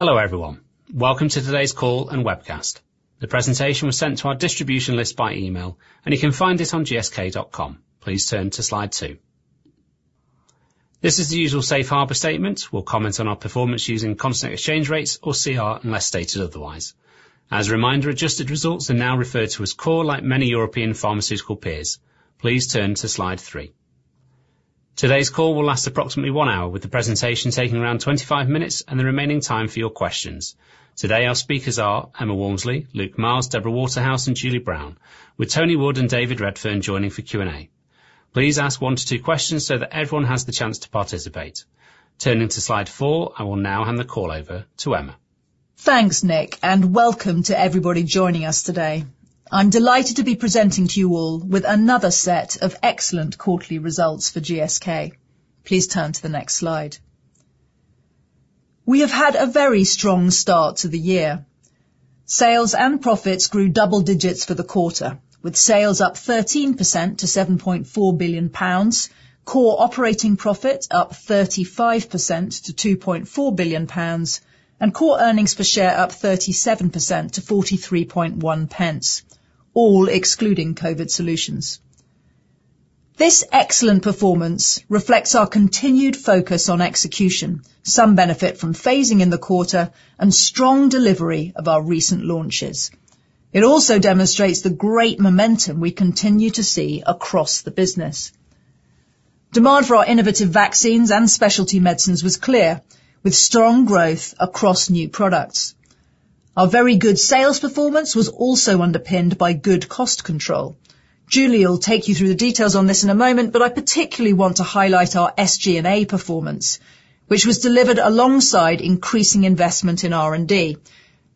Hello, everyone. Welcome to today's call and webcast. The presentation was sent to our distribution list by email, and you can find it on gsk.com. Please turn to slide 2. This is the usual safe harbor statement. We'll comment on our performance using constant exchange rates or CER, unless stated otherwise. As a reminder, adjusted results are now referred to as Core, like many European pharmaceutical peers. Please turn to slide 3. Today's call will last approximately 1 hour, with the presentation taking around 25 minutes and the remaining time for your questions. Today, our speakers are Emma Walmsley, Luke Miels, Deborah Waterhouse, and Julie Brown, with Tony Wood and David Redfern joining for Q&A. Please ask 1 to 2 questions so that everyone has the chance to participate. Turning to slide 4, I will now hand the call over to Emma. Thanks, Nick, and welcome to everybody joining us today. I'm delighted to be presenting to you all with another set of excellent quarterly results for GSK. Please turn to the next slide. We have had a very strong start to the year. Sales and profits grew double digits for the quarter, with sales up 13% to 7.4 billion pounds, core operating profit up 35% to 2.4 billion pounds, and core earnings per share up 37% to 43.1 pence, all excluding COVID solutions. This excellent performance reflects our continued focus on execution, some benefit from phasing in the quarter and strong delivery of our recent launches. It also demonstrates the great momentum we continue to see across the business. Demand for our innovative vaccines and specialty medicines was clear, with strong growth across new products. Our very good sales performance was also underpinned by good cost control. Julie will take you through the details on this in a moment, but I particularly want to highlight our SG&A performance, which was delivered alongside increasing investment in R&D,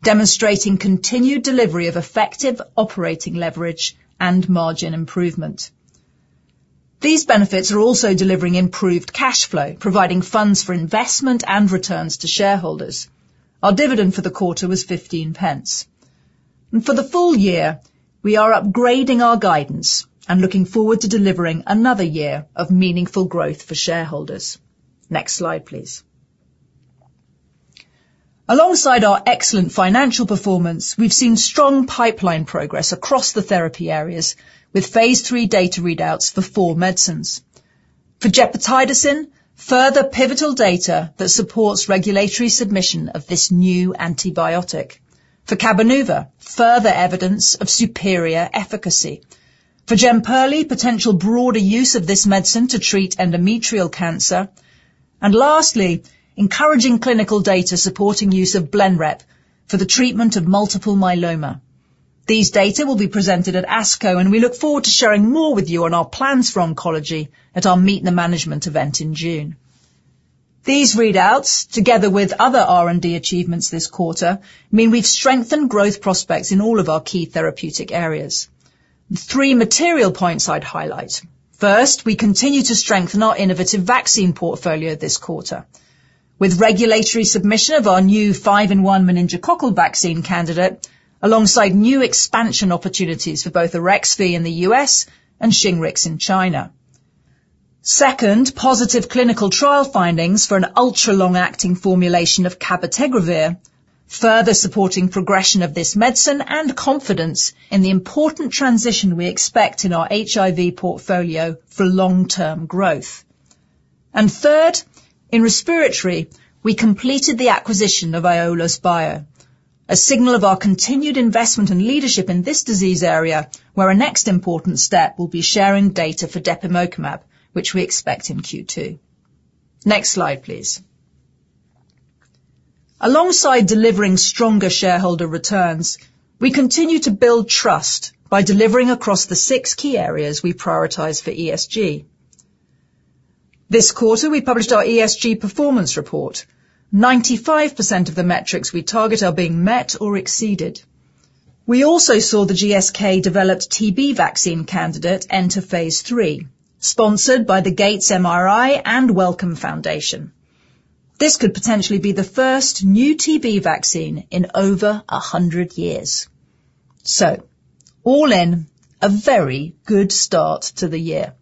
demonstrating continued delivery of effective operating leverage and margin improvement. These benefits are also delivering improved cash flow, providing funds for investment and returns to shareholders. Our dividend for the quarter was 0.15. For the full year, we are upgrading our guidance and looking forward to delivering another year of meaningful growth for shareholders. Next slide, please. Alongside our excellent financial performance, we've seen strong pipeline progress across the therapy areas with phase III data readouts for 4 medicines. For Gepotidacin, further pivotal data that supports regulatory submission of this new antibiotic. For Cabenuva, further evidence of superior efficacy. For Jemperli, potential broader use of this medicine to treat endometrial cancer. And lastly, encouraging clinical data supporting use of Blenrep for the treatment of multiple myeloma. These data will be presented at ASCO, and we look forward to sharing more with you on our plans for oncology at our Meet the Management event in June. These readouts, together with other R&D achievements this quarter, mean we've strengthened growth prospects in all of our key therapeutic areas. Three material points I'd highlight: First, we continue to strengthen our innovative vaccine portfolio this quarter with regulatory submission of our new 5-in-1 meningococcal vaccine candidate, alongside new expansion opportunities for both Arexvy in the U.S. and Shingrix in China. Second, positive clinical trial findings for an ultra-long-acting formulation of cabotegravir, further supporting progression of this medicine and confidence in the important transition we expect in our HIV portfolio for long-term growth. Third, in respiratory, we completed the acquisition of Aiolos Bio, a signal of our continued investment and leadership in this disease area, where our next important step will be sharing data for depemokumab, which we expect in Q2. Next slide, please. Alongside delivering stronger shareholder returns, we continue to build trust by delivering across the 6 key areas we prioritize for ESG. This quarter, we published our ESG performance report. 95% of the metrics we target are being met or exceeded. We also saw the GSK-developed TB vaccine candidate enter phase III, sponsored by the Gates MRI and Wellcome Foundation. This could potentially be the first new TB vaccine in over 100 years. So all in, a very good start to the year.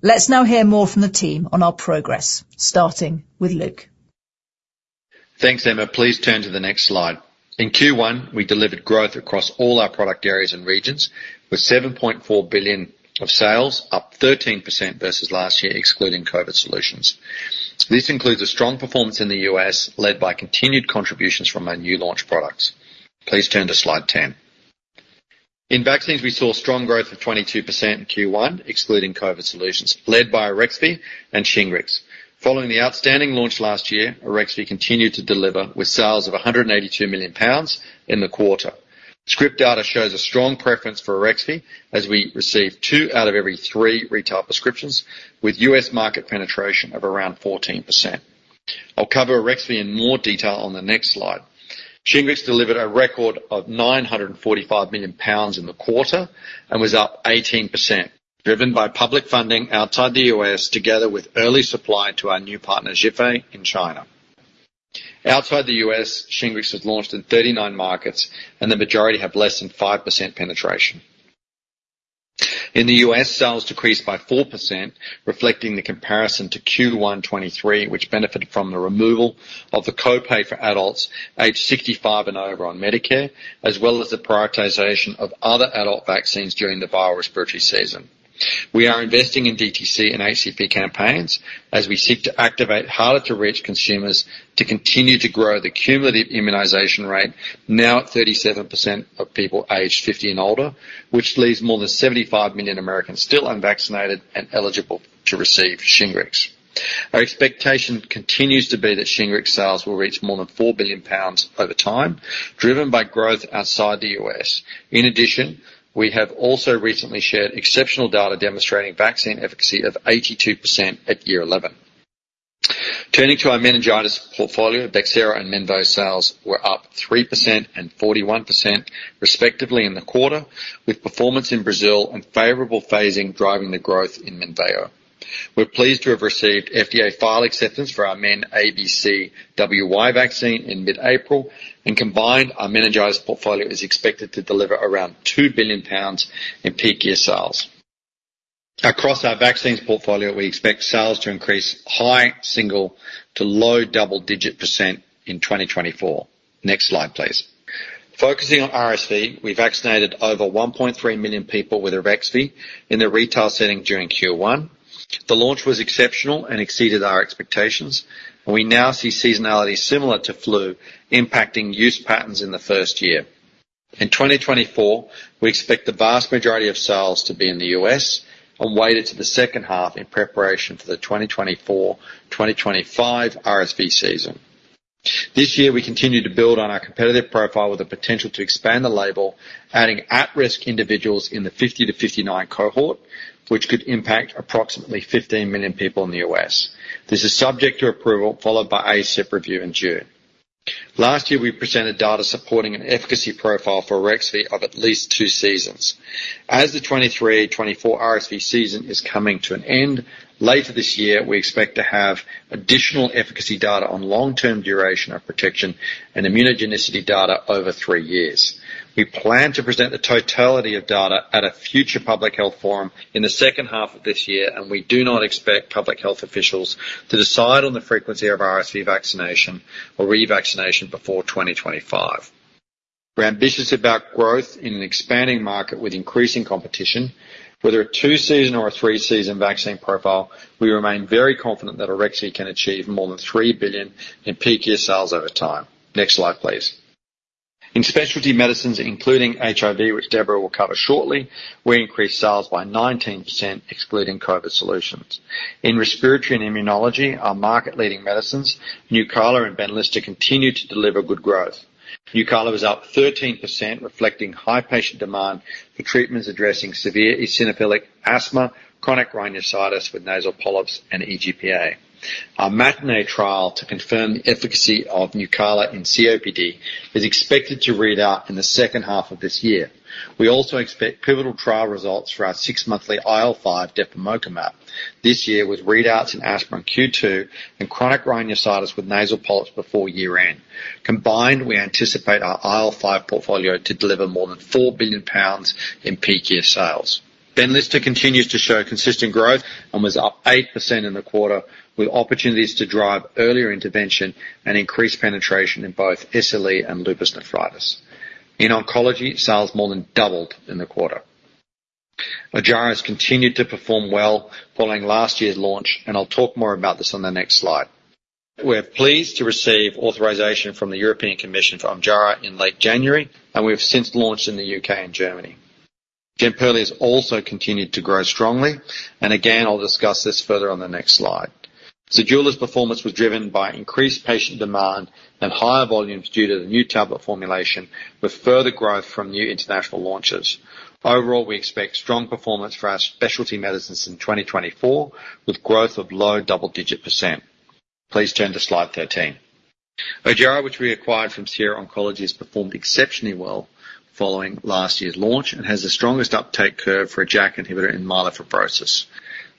Let's now hear more from the team on our progress, starting with Luke. Thanks, Emma. Please turn to the next slide. In Q1, we delivered growth across all our product areas and regions, with 7.4 billion of sales, up 13% versus last year, excluding COVID solutions. This includes a strong performance in the US, led by continued contributions from our new launch products. Please turn to slide 10. In vaccines, we saw strong growth of 22% in Q1, excluding COVID solutions, led by Arexvy and Shingrix. Following the outstanding launch last year, Arexvy continued to deliver with sales of 182 million pounds in the quarter. Script data shows a strong preference for Arexvy, as we received 2 out of every 3 retail prescriptions, with US market penetration of around 14%. I'll cover Arexvy in more detail on the next slide. Shingrix delivered a record of 945 million pounds in the quarter and was up 18%, driven by public funding outside the US, together with early supply to our new partner, Zhifei, in China. Outside the US, Shingrix was launched in 39 markets, and the majority have less than 5% penetration.... In the US, sales decreased by 4%, reflecting the comparison to Q1 2023, which benefited from the removal of the copay for adults aged 65 and over on Medicare, as well as the prioritization of other adult vaccines during the viral respiratory season. We are investing in DTC and HCP campaigns as we seek to activate harder-to-reach consumers to continue to grow the cumulative immunization rate, now at 37% of people aged 50 and older, which leaves more than 75 million Americans still unvaccinated and eligible to receive Shingrix. Our expectation continues to be that Shingrix sales will reach more than 4 billion pounds over time, driven by growth outside the U.S. In addition, we have also recently shared exceptional data demonstrating vaccine efficacy of 82% at year 11. Turning to our meningitis portfolio, Bexsero and Menveo sales were up 3% and 41%, respectively, in the quarter, with performance in Brazil and favorable phasing driving the growth in Menveo. We're pleased to have received FDA file acceptance for our MenABCWY vaccine in mid-April. Combined, our meningitis portfolio is expected to deliver around 2 billion pounds in peak year sales. Across our vaccines portfolio, we expect sales to increase high single- to low double-digit % in 2024. Next slide, please. Focusing on RSV, we vaccinated over 1.3 million people with Arexvy in the retail setting during Q1. The launch was exceptional and exceeded our expectations, and we now see seasonality similar to flu impacting use patterns in the first year. In 2024, we expect the vast majority of sales to be in the U.S. and weighted to the H2 in preparation for the 2024/2025 RSV season. This year, we continue to build on our competitive profile with the potential to expand the label, adding at-risk individuals in the 50-59 cohort, which could impact approximately 15 million people in the U.S. This is subject to approval, followed by ACIP review in June. Last year, we presented data supporting an efficacy profile for Arexvy of at least 2 seasons. As the 2023/2024 RSV season is coming to an end, later this year, we expect to have additional efficacy data on long-term duration of protection and immunogenicity data over 3 years. We plan to present the totality of data at a future public health forum in the H2 of this year, and we do not expect public health officials to decide on the frequency of RSV vaccination or revaccination before 2025. We're ambitious about growth in an expanding market with increasing competition. Whether a 2-season or a 3-season vaccine profile, we remain very confident that Arexvy can achieve more than 3 billion in peak year sales over time. Next slide, please. In specialty medicines, including HIV, which Deborah will cover shortly, we increased sales by 19%, excluding COVID solutions. In respiratory and immunology, our market-leading medicines, Nucala and Benlysta, continue to deliver good growth. Nucala was up 13%, reflecting high patient demand for treatments addressing severe eosinophilic asthma, chronic rhinosinusitis with nasal polyps, and EGPA. Our MATINEE trial to confirm the efficacy of Nucala in COPD is expected to read out in the H2 of this year. We also expect pivotal trial results for our 6-monthly IL-5 depemokumab this year, with readouts in asthma Q2 and chronic rhinosinusitis with nasal polyps before year-end. Combined, we anticipate our IL-5 portfolio to deliver more than 4 billion pounds in peak year sales. Benlysta continues to show consistent growth and was up 8% in the quarter, with opportunities to drive earlier intervention and increase penetration in both SLE and lupus nephritis. In oncology, sales more than doubled in the quarter. Ojjaara has continued to perform well following last year's launch, and I'll talk more about this on the next slide. We're pleased to receive authorization from the European Commission for Ojjaara in late January, and we have since launched in the UK and Germany. Jemperli has also continued to grow strongly, and again, I'll discuss this further on the next slide. Zejula's performance was driven by increased patient demand and higher volumes due to the new tablet formulation, with further growth from new international launches. Overall, we expect strong performance for our specialty medicines in 2024, with growth of low double-digit %. Please turn to slide 13. Ojjaara, which we acquired from Sierra Oncology, has performed exceptionally well following last year's launch and has the strongest uptake curve for a JAK inhibitor in myelofibrosis.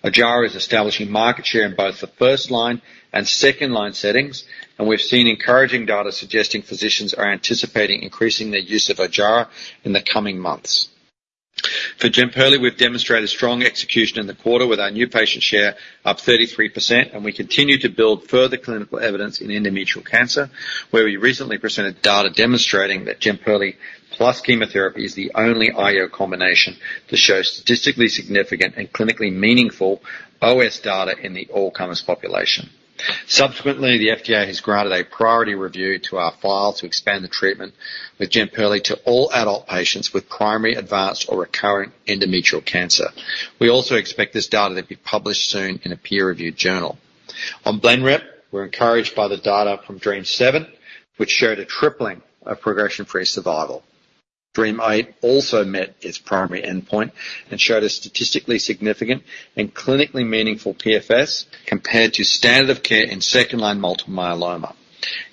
Ojjaara is establishing market share in both the first-line and second-line settings, and we've seen encouraging data suggesting physicians are anticipating increasing their use of Ojjaara in the coming months. For Jemperli, we've demonstrated strong execution in the quarter with our new patient share up 33%, and we continue to build further clinical evidence in endometrial cancer, where we recently presented data demonstrating that Jemperli plus chemotherapy is the only IO combination to show statistically significant and clinically meaningful OS data in the all-comers population. Subsequently, the FDA has granted a priority review to our file to expand the treatment with Jemperli to all adult patients with primary, advanced, or recurrent endometrial cancer. We also expect this data to be published soon in a peer-reviewed journal. On Blenrep, we're encouraged by the data from DREAMM-7, which showed a tripling of progression-free survival. DREAMM-8 also met its primary endpoint and showed a statistically significant and clinically meaningful PFS compared to standard of care in second-line multiple myeloma.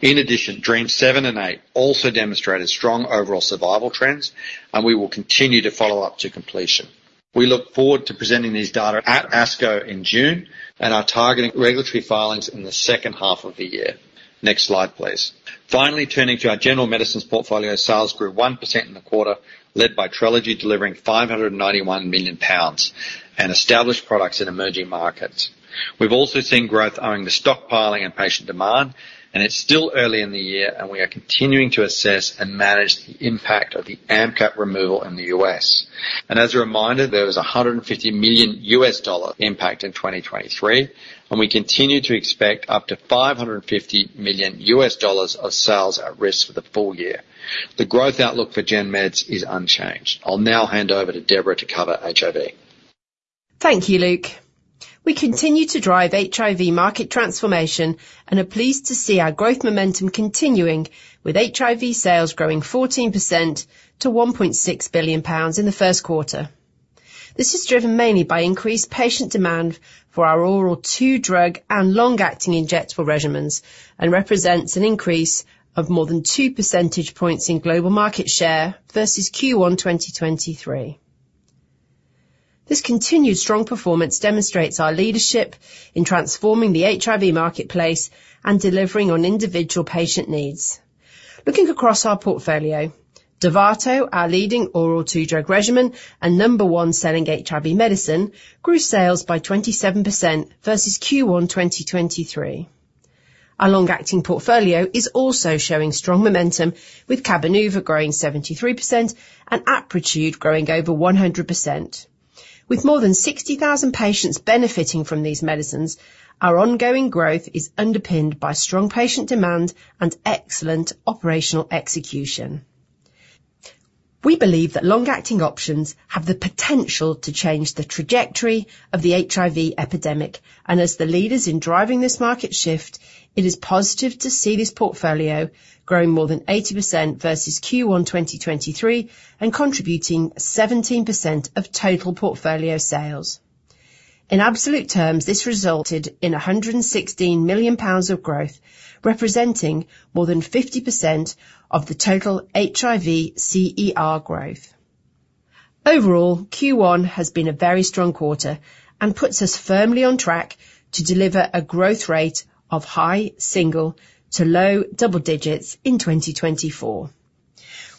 In addition, DREAMM-7 and DREAMM-8 also demonstrated strong overall survival trends, and we will continue to follow up to completion. We look forward to presenting these data at ASCO in June and are targeting regulatory filings in the H2 of the year. Next slide, please. Finally, turning to our general medicines portfolio, sales grew 1% in the quarter, led by Trelegy, delivering 591 million pounds and established products in emerging markets. We've also seen growth owing to stockpiling and patient demand, and it's still early in the year, and we are continuing to assess and manage the impact of the AMP cap removal in the US. And as a reminder, there was $150 million US dollar impact in 2023, and we continue to expect up to $550 million US dollars of sales at risk for the full year. The growth outlook for Gen Meds is unchanged. I'll now hand over to Deborah to cover HIV. Thank you, Luke. We continue to drive HIV market transformation and are pleased to see our growth momentum continuing, with HIV sales growing 14% to GBP 1.6 billion in the Q1. This is driven mainly by increased patient demand for our oral 2-drug and long-acting injectable regimens, and represents an increase of more than 2 percentage points in global market share versus Q1 2023. This continued strong performance demonstrates our leadership in transforming the HIV marketplace and delivering on individual patient needs. Looking across our portfolio, Dovato, our leading oral 2-drug regimen and number 1 selling HIV medicine, grew sales by 27% versus Q1 2023. Our long-acting portfolio is also showing strong momentum, with Cabenuva growing 73% and Apretude growing over 100%. With more than 60,000 patients benefiting from these medicines, our ongoing growth is underpinned by strong patient demand and excellent operational execution. We believe that long-acting options have the potential to change the trajectory of the HIV epidemic, and as the leaders in driving this market shift, it is positive to see this portfolio growing more than 80% versus Q1 2023, and contributing 17% of total portfolio sales. In absolute terms, this resulted in 116 million pounds of growth, representing more than 50% of the total HIV CER growth. Overall, Q1 has been a very strong quarter and puts us firmly on track to deliver a growth rate of high single to low double digits in 2024.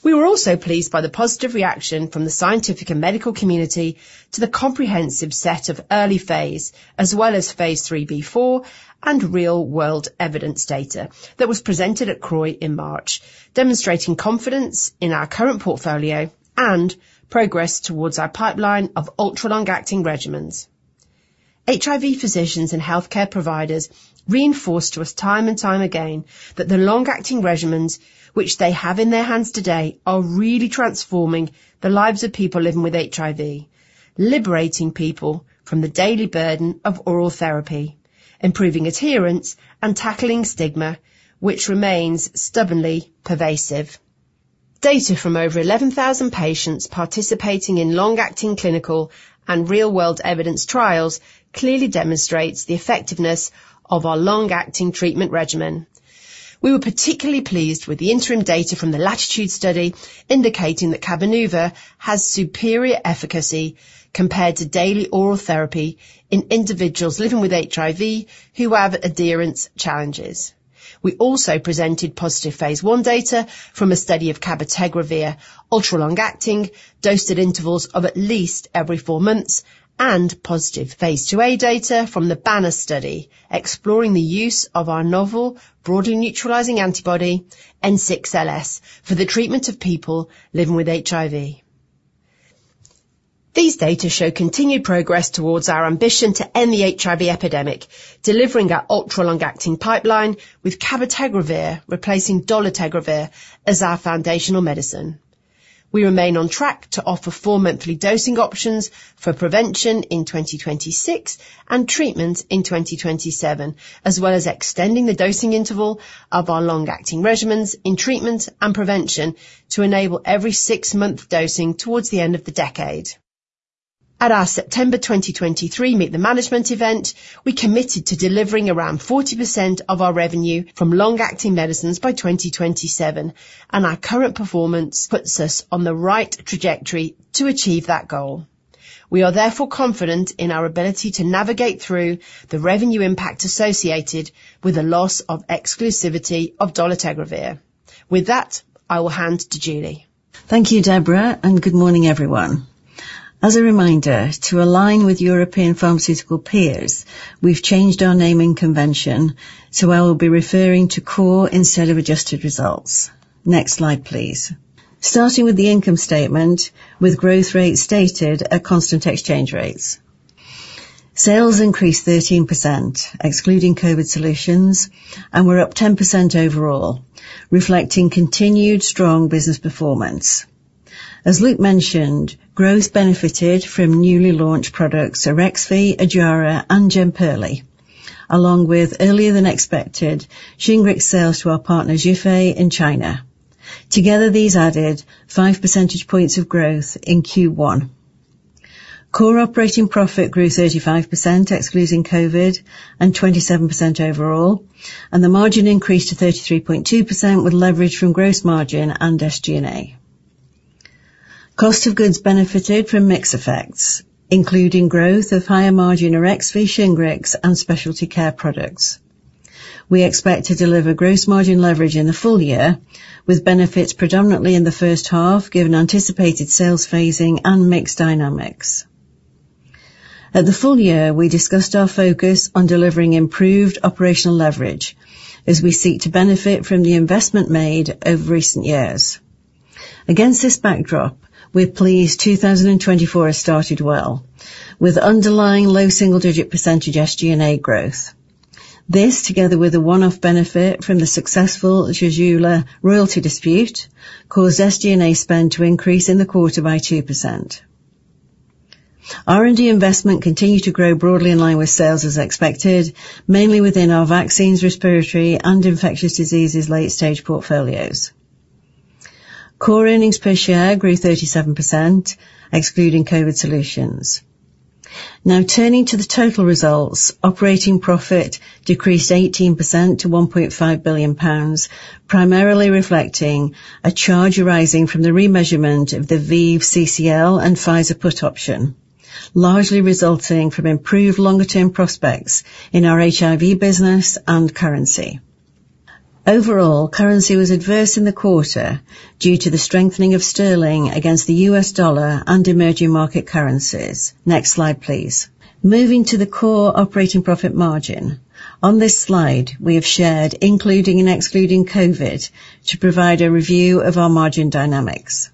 We were also pleased by the positive reaction from the scientific and medical community to the comprehensive set of early phase, as well as Phase III-B/IV and real-world evidence data that was presented at CROI in March, demonstrating confidence in our current portfolio and progress towards our pipeline of ultra-long-acting regimens. HIV physicians and healthcare providers reinforced to us time and time again that the long-acting regimens which they have in their hands today are really transforming the lives of people living with HIV, liberating people from the daily burden of oral therapy, improving adherence and tackling stigma, which remains stubbornly pervasive. Data from over 11,000 patients participating in long-acting clinical and real-world evidence trials clearly demonstrates the effectiveness of our long-acting treatment regimen. We were particularly pleased with the interim data from the LATITUDE study, indicating that Cabenuva has superior efficacy compared to daily oral therapy in individuals living with HIV who have adherence challenges. We also presented positive phase I data from a study of cabotegravir, ultra-long-acting, dosed at intervals of at least every 4 months, and positive phase II-A data from the BANNER study, exploring the use of our novel, broadly neutralizing antibody, N6LS, for the treatment of people living with HIV. These data show continued progress towards our ambition to end the HIV epidemic, delivering our ultra-long-acting pipeline, with cabotegravir replacing dolutegravir as our foundational medicine. We remain on track to offer 4 monthly dosing options for prevention in 2026 and treatment in 2027, as well as extending the dosing interval of our long-acting regimens in treatment and prevention to enable every 6-month dosing towards the end of the decade. At our September 2023 Meet the Management event, we committed to delivering around 40% of our revenue from long-acting medicines by 2027, and our current performance puts us on the right trajectory to achieve that goal. We are therefore confident in our ability to navigate through the revenue impact associated with the loss of exclusivity of dolutegravir. With that, I will hand to Julie. Thank you, Deborah, and good morning, everyone. As a reminder, to align with European pharmaceutical peers, we've changed our naming convention, so I will be referring to core instead of adjusted results. Next slide, please. Starting with the income statement, with growth rates stated at constant exchange rates. Sales increased 13%, excluding COVID solutions, and were up 10% overall, reflecting continued strong business performance. As Luke mentioned, growth benefited from newly launched products Arexvy, Ojjaara, and Jemperli, along with earlier than expected Shingrix sales to our partner, Zhifei, in China. Together, these added 5 percentage points of growth in Q1. Core operating profit grew 35%, excluding COVID, and 27% overall, and the margin increased to 33.2% with leverage from gross margin and SG&A. Cost of goods benefited from mix effects, including growth of higher-margin Arexvy, Shingrix, and Specialty Care products. We expect to deliver gross margin leverage in the full year, with benefits predominantly in the H1, given anticipated sales phasing and mix dynamics. At the full year, we discussed our focus on delivering improved operational leverage as we seek to benefit from the investment made over recent years. Against this backdrop, we're pleased 2024 has started well, with underlying low single-digit % SG&A growth. This, together with a one-off benefit from the successful Zejula royalty dispute, caused SG&A spend to increase in the quarter by 2%. R&D investment continued to grow broadly in line with sales as expected, mainly within our vaccines, respiratory, and infectious diseases late-stage portfolios. Core earnings per share grew 37%, excluding COVID solutions. Now, turning to the total results, operating profit decreased 18% to 1.5 billion pounds, primarily reflecting a charge arising from the remeasurement of the ViiV CCL and Pfizer put option, largely resulting from improved longer-term prospects in our HIV business and currency. Overall, currency was adverse in the quarter due to the strengthening of sterling against the US dollar and emerging market currencies. Next slide, please. Moving to the core operating profit margin. On this slide, we have shared, including and excluding COVID, to provide a review of our margin dynamics.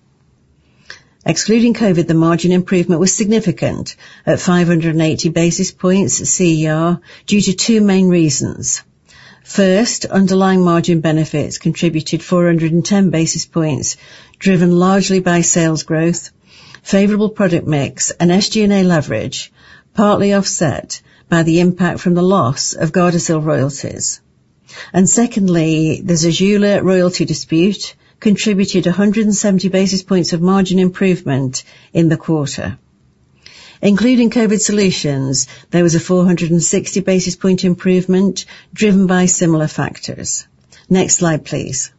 Excluding COVID, the margin improvement was significant at 580 basis points CER, due to two main reasons. First, underlying margin benefits contributed 410 basis points, driven largely by sales growth, favorable product mix, and SG&A leverage, partly offset by the impact from the loss of Gardasil royalties. Secondly, the Zejula royalty dispute contributed 170 basis points of margin improvement in the quarter. Including COVID solutions, there was a 460 basis point improvement, driven by similar factors. Next slide, please.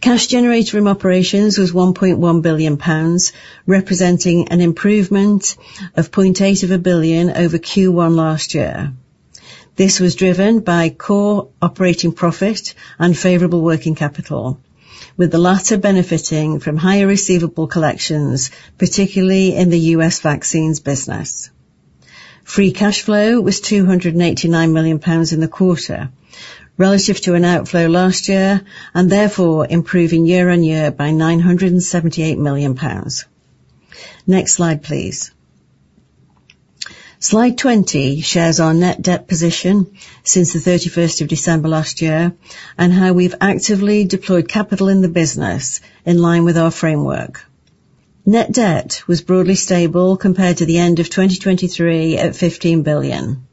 Cash generated from operations was 1.1 billion pounds, representing an improvement of 0.8 billion over Q1 last year. This was driven by core operating profit and favorable working capital, with the latter benefiting from higher receivable collections, particularly in the U.S. vaccines business. Free cash flow was 289 million pounds in the quarter, relative to an outflow last year, and therefore improving year-on-year by 978 million pounds. Next slide, please. Slide 20 shares our net debt position since the 31st of December last year, and how we've actively deployed capital in the business in line with our framework. Net debt was broadly stable compared to the end of 2023 at 15 billion.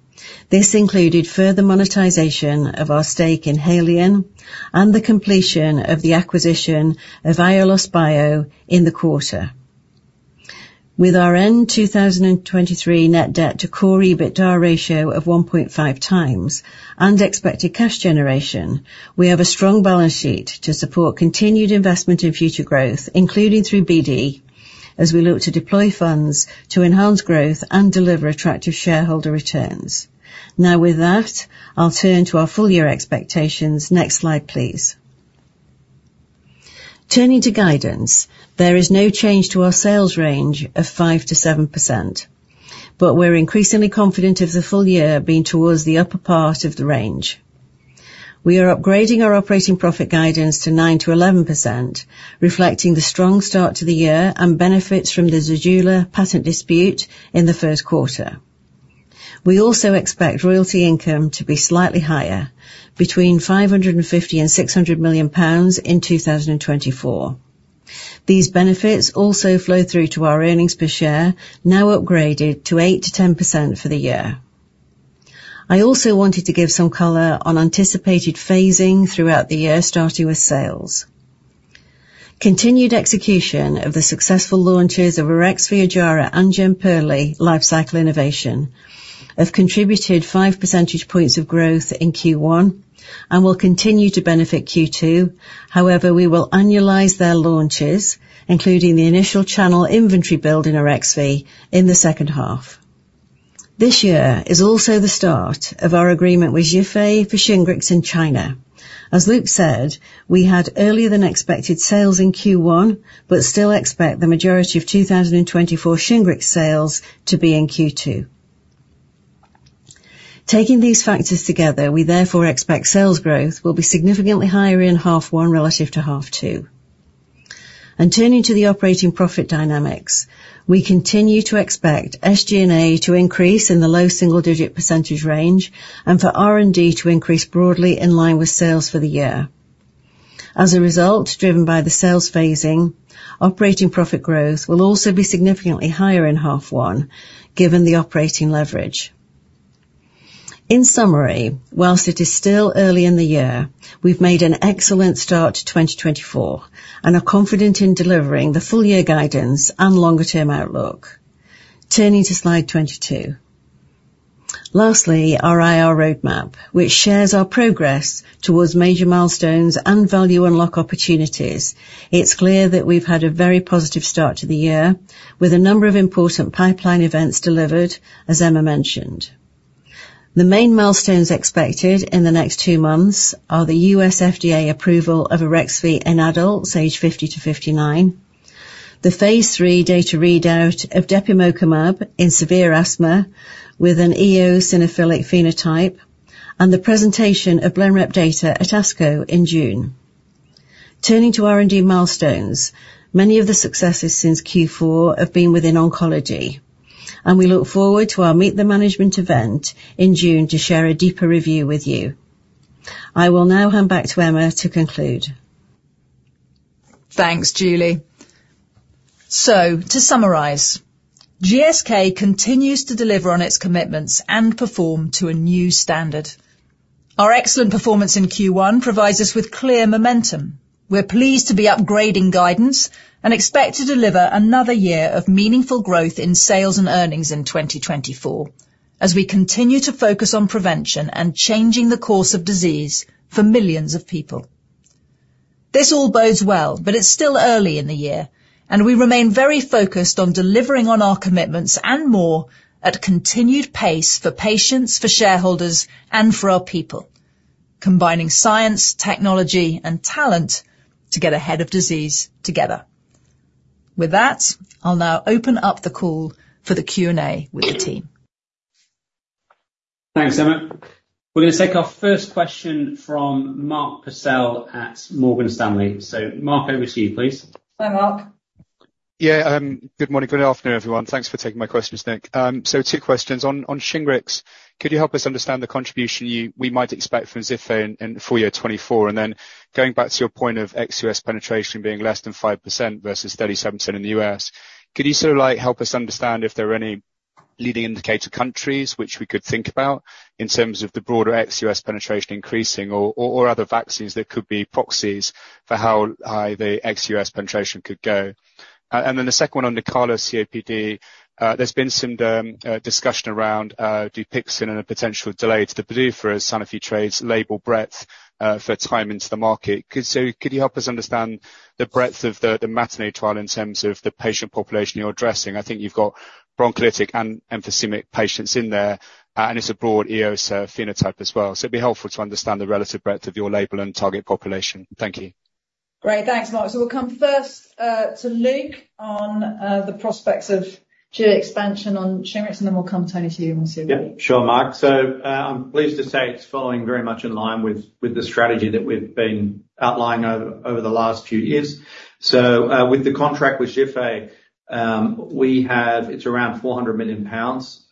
This included further monetization of our stake in Haleon and the completion of the acquisition of Aiolos Bio in the quarter. With our end 2023 net debt to core EBITDA ratio of 1.5 times and expected cash generation, we have a strong balance sheet to support continued investment in future growth, including through BD, as we look to deploy funds to enhance growth and deliver attractive shareholder returns. Now, with that, I'll turn to our full-year expectations. Next slide, please. Turning to guidance, there is no change to our sales range of 5%-7%, but we're increasingly confident of the full year being towards the upper part of the range. We are upgrading our operating profit guidance to 9%-11%, reflecting the strong start to the year and benefits from the Zejula patent dispute in the Q1. We also expect royalty income to be slightly higher, between 550 million and 600 million pounds in 2024. These benefits also flow through to our earnings per share, now upgraded to 8%-10% for the year. I also wanted to give some color on anticipated phasing throughout the year, starting with sales. Continued execution of the successful launches of Arexvy, Ojjaara and Jemperli lifecycle innovation have contributed 5 percentage points of growth in Q1 and will continue to benefit Q2. However, we will annualize their launches, including the initial channel inventory build in Arexvy, in the H2. This year is also the start of our agreement with Zhifei for Shingrix in China. As Luke said, we had earlier-than-expected sales in Q1, but still expect the majority of 2024 Shingrix sales to be in Q2. Taking these factors together, we therefore expect sales growth will be significantly higher in H1 relative to H2. Turning to the operating profit dynamics, we continue to expect SG&A to increase in the low single-digit % range and for R&D to increase broadly in line with sales for the year. As a result, driven by the sales phasing, operating profit growth will also be significantly higher in H1, given the operating leverage. In summary, whilst it is still early in the year, we've made an excellent start to 2024 and are confident in delivering the full-year guidance and longer-term outlook. Turning to slide 22. Lastly, our IR roadmap, which shares our progress towards major milestones and value unlock opportunities. It's clear that we've had a very positive start to the year, with a number of important pipeline events delivered, as Emma mentioned. The main milestones expected in the next 2 months are the U.S. FDA approval of Arexvy in adults aged 50-59, the phase III data readout of depemokumab in severe asthma with an eosinophilic phenotype, and the presentation of Blenrep data at ASCO in June. Turning to R&D milestones, many of the successes since Q4 have been within oncology, and we look forward to our Meet the Management event in June to share a deeper review with you. I will now hand back to Emma to conclude. Thanks, Julie. So to summarize, GSK continues to deliver on its commitments and perform to a new standard. Our excellent performance in Q1 provides us with clear momentum. We're pleased to be upgrading guidance and expect to deliver another year of meaningful growth in sales and earnings in 2024, as we continue to focus on prevention and changing the course of disease for millions of people. This all bodes well, but it's still early in the year, and we remain very focused on delivering on our commitments and more at a continued pace for patients, for shareholders, and for our people, combining science, technology, and talent to get ahead of disease together. With that, I'll now open up the call for the Q&A with the team. Thanks, Emma. We're going to take our first question from Mark Purcell at Morgan Stanley. So Mark, over to you, please. Hi, Mark. Yeah, good morning. Good afternoon, everyone. Thanks for taking my questions, Nick. So two questions: on Shingrix, could you help us understand the contribution we might expect from Zhifei in full year 2024? And then going back to your point of ex-US penetration being less than 5% versus 37% in the US, could you sort of, like, help us understand if there are any leading indicator countries which we could think about in terms of the broader ex-US penetration increasing, or other vaccines that could be proxies for how high the ex-US penetration could go? And then the second one on Nucala COPD. There's been some discussion around Dupixent and a potential delay to the approval as Sanofi trades label breadth for time into the market. So could you help us understand the breadth of the MATINEE trial in terms of the patient population you're addressing? I think you've got bronchiectasis and emphysemic patients in there, and it's a broad eosinophilic phenotype as well, so it'd be helpful to understand the relative breadth of your label and target population. Thank you. Great. Thanks, Mark. So we'll come first to Luke on the prospects of geographic expansion on Shingrix, and then we'll come to Tony, to you once you're ready. Yeah, sure, Mark. So, I'm pleased to say it's following very much in line with the strategy that we've been outlining over the last few years. So, with the contract with Zhifei, we have. It's around 400 million pounds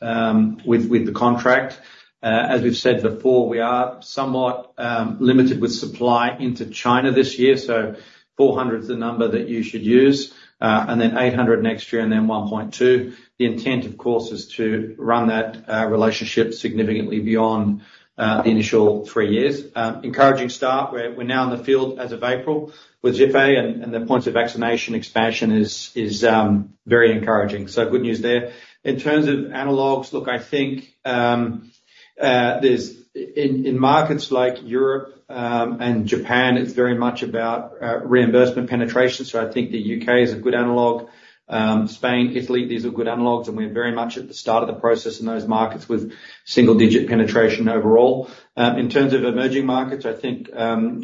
with the contract. As we've said before, we are somewhat limited with supply into China this year, so 400 is the number that you should use, and then 800 next year, and then 1.2. The intent, of course, is to run that relationship significantly beyond the initial 3 years. Encouraging start. We're now in the field as of April with Zhifei, and the points of vaccination expansion is very encouraging, so good news there. In terms of analogs, look, I think, there's... In markets like Europe and Japan, it's very much about reimbursement penetration. So I think the UK is a good analog. Spain, Italy, these are good analogs, and we're very much at the start of the process in those markets with single-digit penetration overall. In terms of emerging markets, I think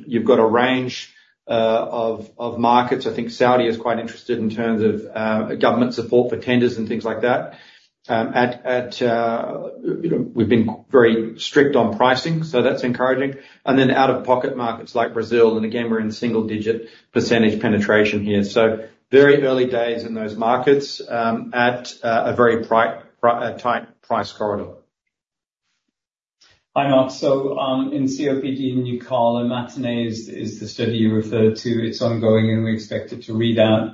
you've got a range of markets. I think Saudi is quite interested in terms of government support for tenders and things like that. At... You know, we've been very strict on pricing, so that's encouraging. And then out-of-pocket markets like Brazil, and again, we're in single digit percentage penetration here. So very early days in those markets at a very tight price corridor. Hi, Mark. So, in COPD, in Nucala, MATINEE is the study you referred to. It's ongoing, and we expect it to read out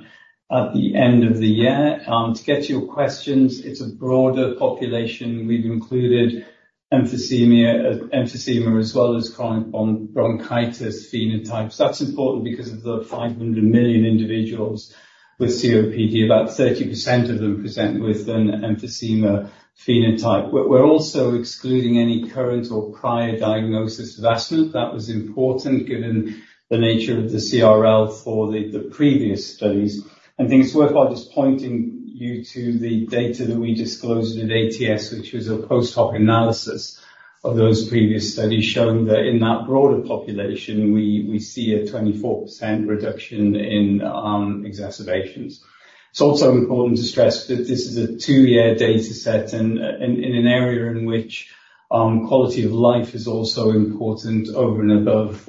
at the end of the year. To get to your questions, it's a broader population. We've included emphysema as well as chronic bronchitis phenotypes. That's important because of the 500 million individuals with COPD, about 30% of them present with an emphysema phenotype. We're also excluding any current or prior diagnosis of asthma. That was important given the nature of the CRL for the previous studies. I think it's worthwhile just pointing you to the data that we disclosed at ATS, which was a post-hoc analysis of those previous studies, showing that in that broader population, we see a 24% reduction in exacerbations. It's also important to stress that this is a 2-year data set, and in an area in which quality of life is also important over and above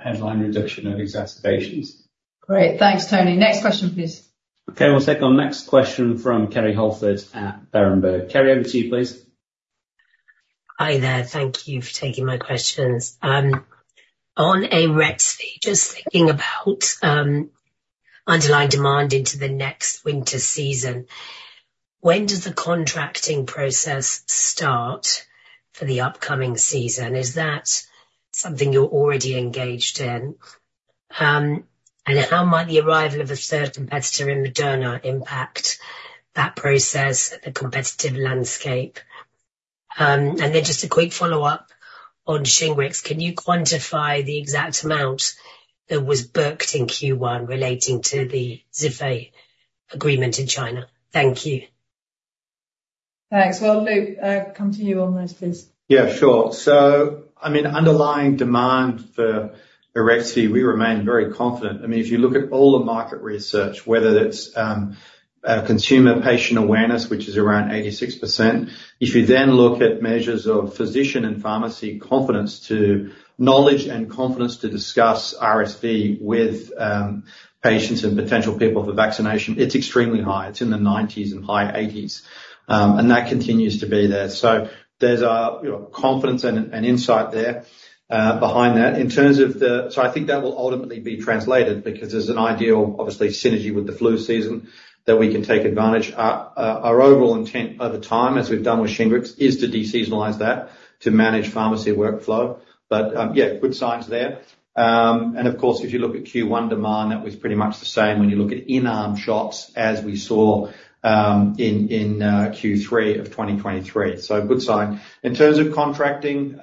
headline reduction of exacerbations. Great. Thanks, Tony. Next question, please. Okay, we'll take our next question from Kerry Holford at Berenberg. Kerry, over to you, please. Hi there. Thank you for taking my questions. On Arexvy, just thinking about underlying demand into the next winter season, when does the contracting process start for the upcoming season? Is that something you're already engaged in?... and how might the arrival of a third competitor in Moderna impact that process and the competitive landscape? And then just a quick follow-up on Shingrix. Can you quantify the exact amount that was booked in Q1 relating to the Zhifei agreement in China? Thank you. Thanks. Well, Luke, come to you on those, please. Yeah, sure. So, I mean, underlying demand for Arexvy, we remain very confident. I mean, if you look at all the market research, whether it's, consumer patient awareness, which is around 86%, if you then look at measures of physician and pharmacy confidence to knowledge and confidence to discuss RSV with, patients and potential people for vaccination, it's extremely high. It's in the 90s and high 80s, and that continues to be there. So there's a, you know, confidence and, and insight there, behind that. In terms of the—so I think that will ultimately be translated, because there's an ideal, obviously, synergy with the flu season that we can take advantage. Our, our overall intent over time, as we've done with Shingrix, is to deseasonalize that, to manage pharmacy workflow. But, yeah, good signs there. And of course, if you look at Q1 demand, that was pretty much the same when you look at in-arm shots as we saw in Q3 of 2023. So a good sign. In terms of contracting,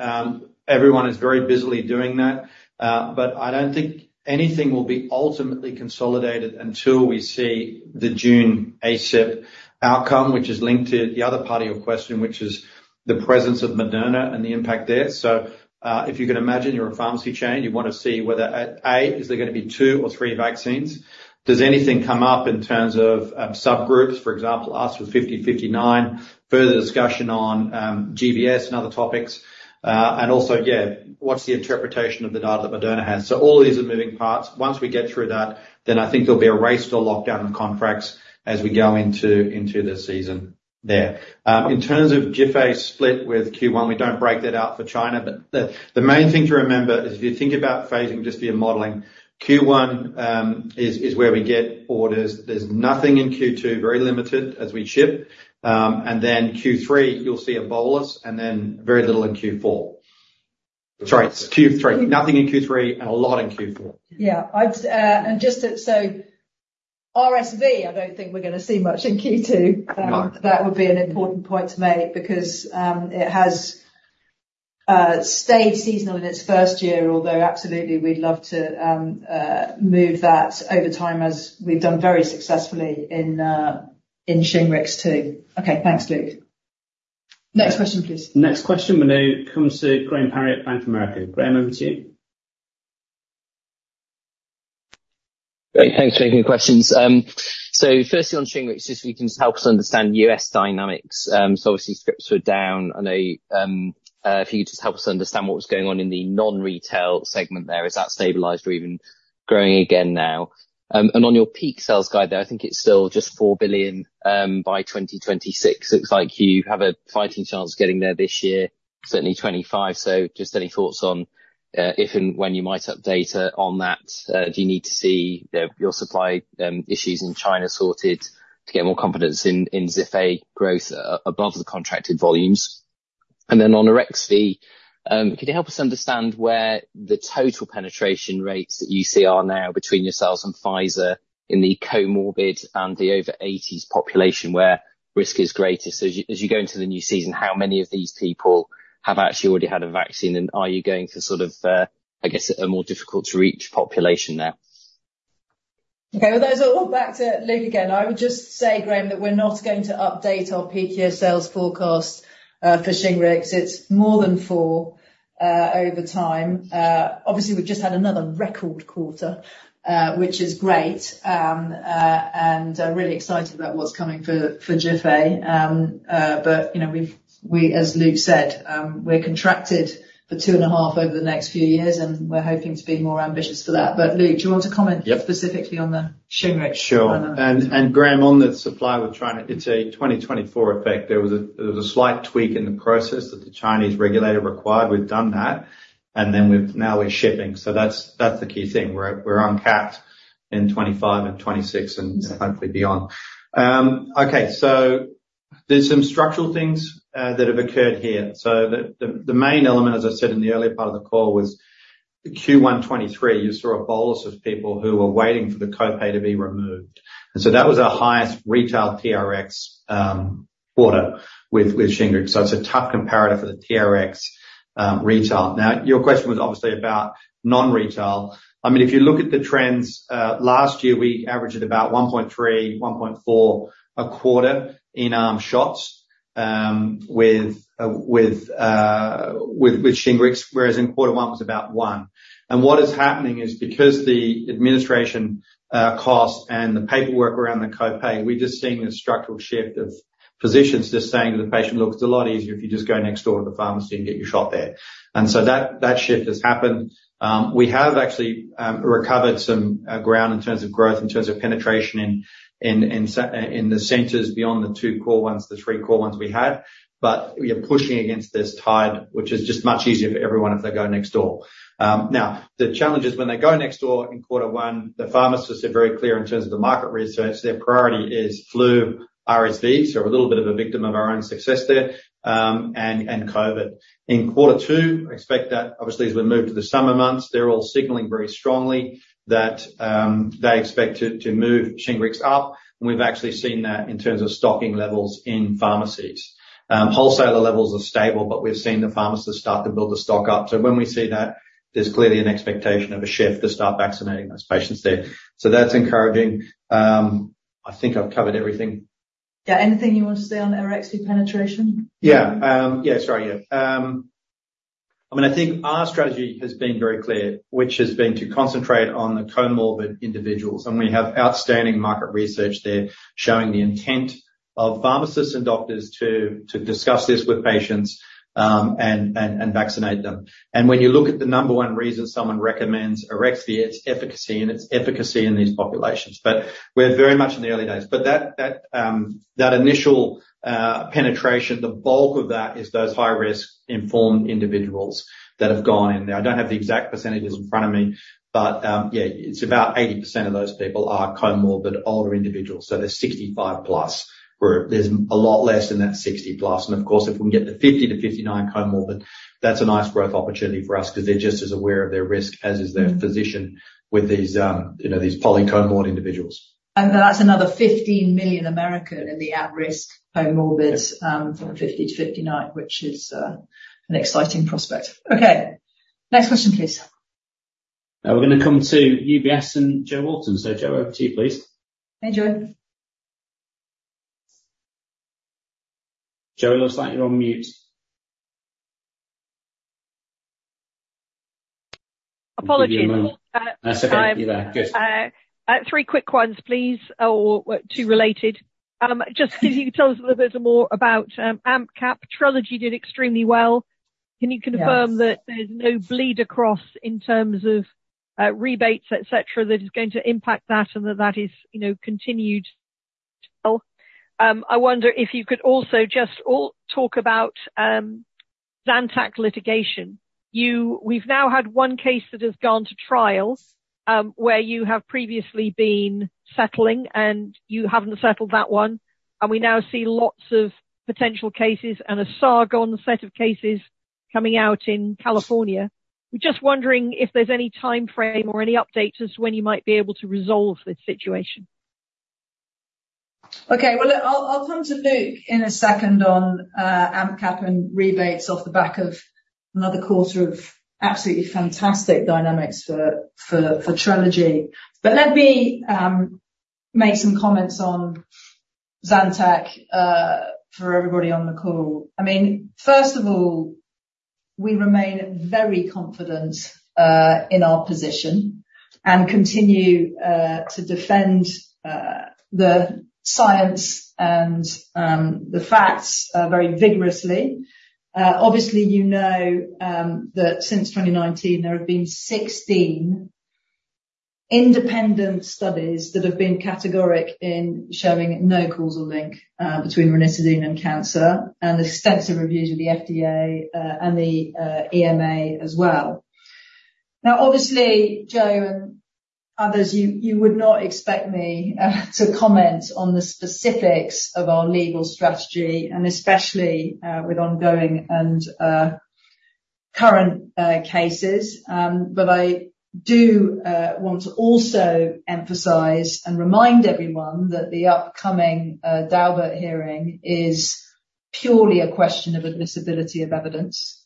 everyone is very busily doing that, but I don't think anything will be ultimately consolidated until we see the June ACIP outcome, which is linked to the other part of your question, which is the presence of Moderna and the impact there. So, if you can imagine, you're a pharmacy chain, you want to see whether at, A, is there gonna be 2 or 3 vaccines? Does anything come up in terms of subgroups, for example, us with 50-59, further discussion on GBS and other topics, and also, yeah, what's the interpretation of the data that Moderna has? So all of these are moving parts. Once we get through that, then I think there'll be a race to lock down contracts as we go into, into the season there. In terms of Zhifei's split with Q1, we don't break that out for China, but the, the main thing to remember is if you think about phasing, just via modeling, Q1 is where we get orders. There's nothing in Q2, very limited as we ship. And then Q3, you'll see a bolus and then very little in Q4. Sorry, Q3. Nothing in Q3 and a lot in Q4. Yeah, I'd and just so, RSV, I don't think we're gonna see much in Q2. No. That would be an important point to make, because it has stayed seasonal in its first year, although absolutely we'd love to move that over time, as we've done very successfully in Shingrix, too. Okay. Thanks, Luke. Next question, please. Next question will now come to Graham Parry, Bank of America. Graham, over to you. Great. Thanks for taking the questions. So firstly on Shingrix, just if you can just help us understand U.S. dynamics. So obviously, scripts were down, I know. If you could just help us understand what was going on in the non-retail segment there, has that stabilized or even growing again now? And on your peak sales guide there, I think it's still just $4 billion, by 2026. Looks like you have a fighting chance of getting there this year, certainly 2025. So just any thoughts on, if and when you might update, on that? Do you need to see the, your supply, issues in China sorted to get more confidence in, in Zhifei growth above the contracted volumes? And then on Arexvy, could you help us understand where the total penetration rates that you see are now between yourselves and Pfizer in the comorbid and the over 80s population, where risk is greatest? So as you, as you go into the new season, how many of these people have actually already had a vaccine, and are you going to sort of, I guess, a more difficult to reach population now? Okay, well, those are all back to Luke again. I would just say, Graham, that we're not going to update our peak year sales forecast for Shingrix. It's more than $4 over time. Obviously, we've just had another record quarter, which is great, and really excited about what's coming for Zhifei. But, you know, we've—we, as Luke said, we're contracted for $2.5 over the next few years, and we're hoping to be more ambitious for that. But Luke, do you want to comment? Yep. Specifically on the Shingrix? Sure. And Graham, on the supply with China, it's a 2024 effect. There was a slight tweak in the process that the Chinese regulator required. We've done that, and then now we're shipping. So that's the key thing. We're uncapped in 25 and 26, and hopefully beyond. Okay, so there's some structural things that have occurred here. So the main element, as I said in the earlier part of the call, was Q1 2023, you saw a bolus of people who were waiting for the copay to be removed, and so that was our highest retail TRx quarter with Shingrix. So it's a tough comparator for the TRx retail. Now, your question was obviously about non-retail. I mean, if you look at the trends, last year, we averaged about 1.3, 1.4 a quarter in arm shots, with Shingrix, whereas in Q1 it was about 1. And what is happening is because the administration cost and the paperwork around the copay, we're just seeing a structural shift of physicians just saying to the patient, "Look, it's a lot easier if you just go next door to the pharmacy and get your shot there." And so that shift has happened. We have actually recovered some ground in terms of growth, in terms of penetration in the centers beyond the two core ones, the three core ones we had, but we are pushing against this tide, which is just much easier for everyone if they go next door. Now, the challenge is, when they go next door in Q1, the pharmacists are very clear in terms of the market research, their priority is flu, RSV, so we're a little bit of a victim of our own success there, and COVID. In Q2, I expect that obviously, as we move to the summer months, they're all signaling very strongly that they expect to move Shingrix up, and we've actually seen that in terms of stocking levels in pharmacies. Wholesaler levels are stable, but we've seen the pharmacists start to build the stock up. So when we see that, there's clearly an expectation of a shift to start vaccinating those patients there. So that's encouraging. I think I've covered everything there.... Yeah, anything you want to say on Arexvy penetration? Yeah. Yeah, sorry. Yeah. I mean, I think our strategy has been very clear, which has been to concentrate on the comorbid individuals, and we have outstanding market research there, showing the intent of pharmacists and doctors to discuss this with patients, and vaccinate them. And when you look at the number 1 reason someone recommends Arexvy, it's efficacy and it's efficacy in these populations. But we're very much in the early days. But that initial penetration, the bulk of that is those high-risk informed individuals that have gone in. Now, I don't have the exact percentages in front of me, but yeah, it's about 80% of those people are comorbid, older individuals, so they're 65+, where there's a lot less than that 60+. And of course, if we can get the 50-59 comorbid, that's a nice growth opportunity for us because they're just as aware of their risk as is- Mm. - their physician with these, you know, these poly comorbid individuals. That's another 15 million Americans in the at-risk comorbidities from 50 to 59, which is an exciting prospect. Okay, next question, please. We're gonna come to UBS and Jo Walton. Jo, over to you, please. Hey, Jo. Jo, it looks like you're on mute. Apologies. That's okay. You're back. Good. Three quick ones, please, or well, two related. Just can you tell us a little bit more about AMP Cap? Trelegy did extremely well. Yes. Can you confirm that there's no bleed across in terms of rebates, et cetera, that is going to impact that, and that that is, you know, continued? I wonder if you could also just talk about Zantac litigation. We've now had 1 case that has gone to trial, where you have previously been settling, and you haven't settled that one, and we now see lots of potential cases and a Sargon set of cases coming out in California. We're just wondering if there's any timeframe or any update as to when you might be able to resolve this situation. Okay. Well, look, I'll, I'll come to Luke in a second on AMP Cap and rebates off the back of another quarter of absolutely fantastic dynamics for, for, for Trelegy. But let me make some comments on Zantac for everybody on the call. I mean, first of all, we remain very confident in our position and continue to defend the science and the facts very vigorously. Obviously, you know, that since 2019, there have been 16 independent studies that have been categoric in showing no causal link between ranitidine and cancer, and extensive reviews of the FDA and the EMA as well. Now, obviously, Jo and others, you would not expect me to comment on the specifics of our legal strategy, and especially with ongoing and current cases. But I do want to also emphasize and remind everyone that the upcoming Daubert hearing is purely a question of admissibility of evidence.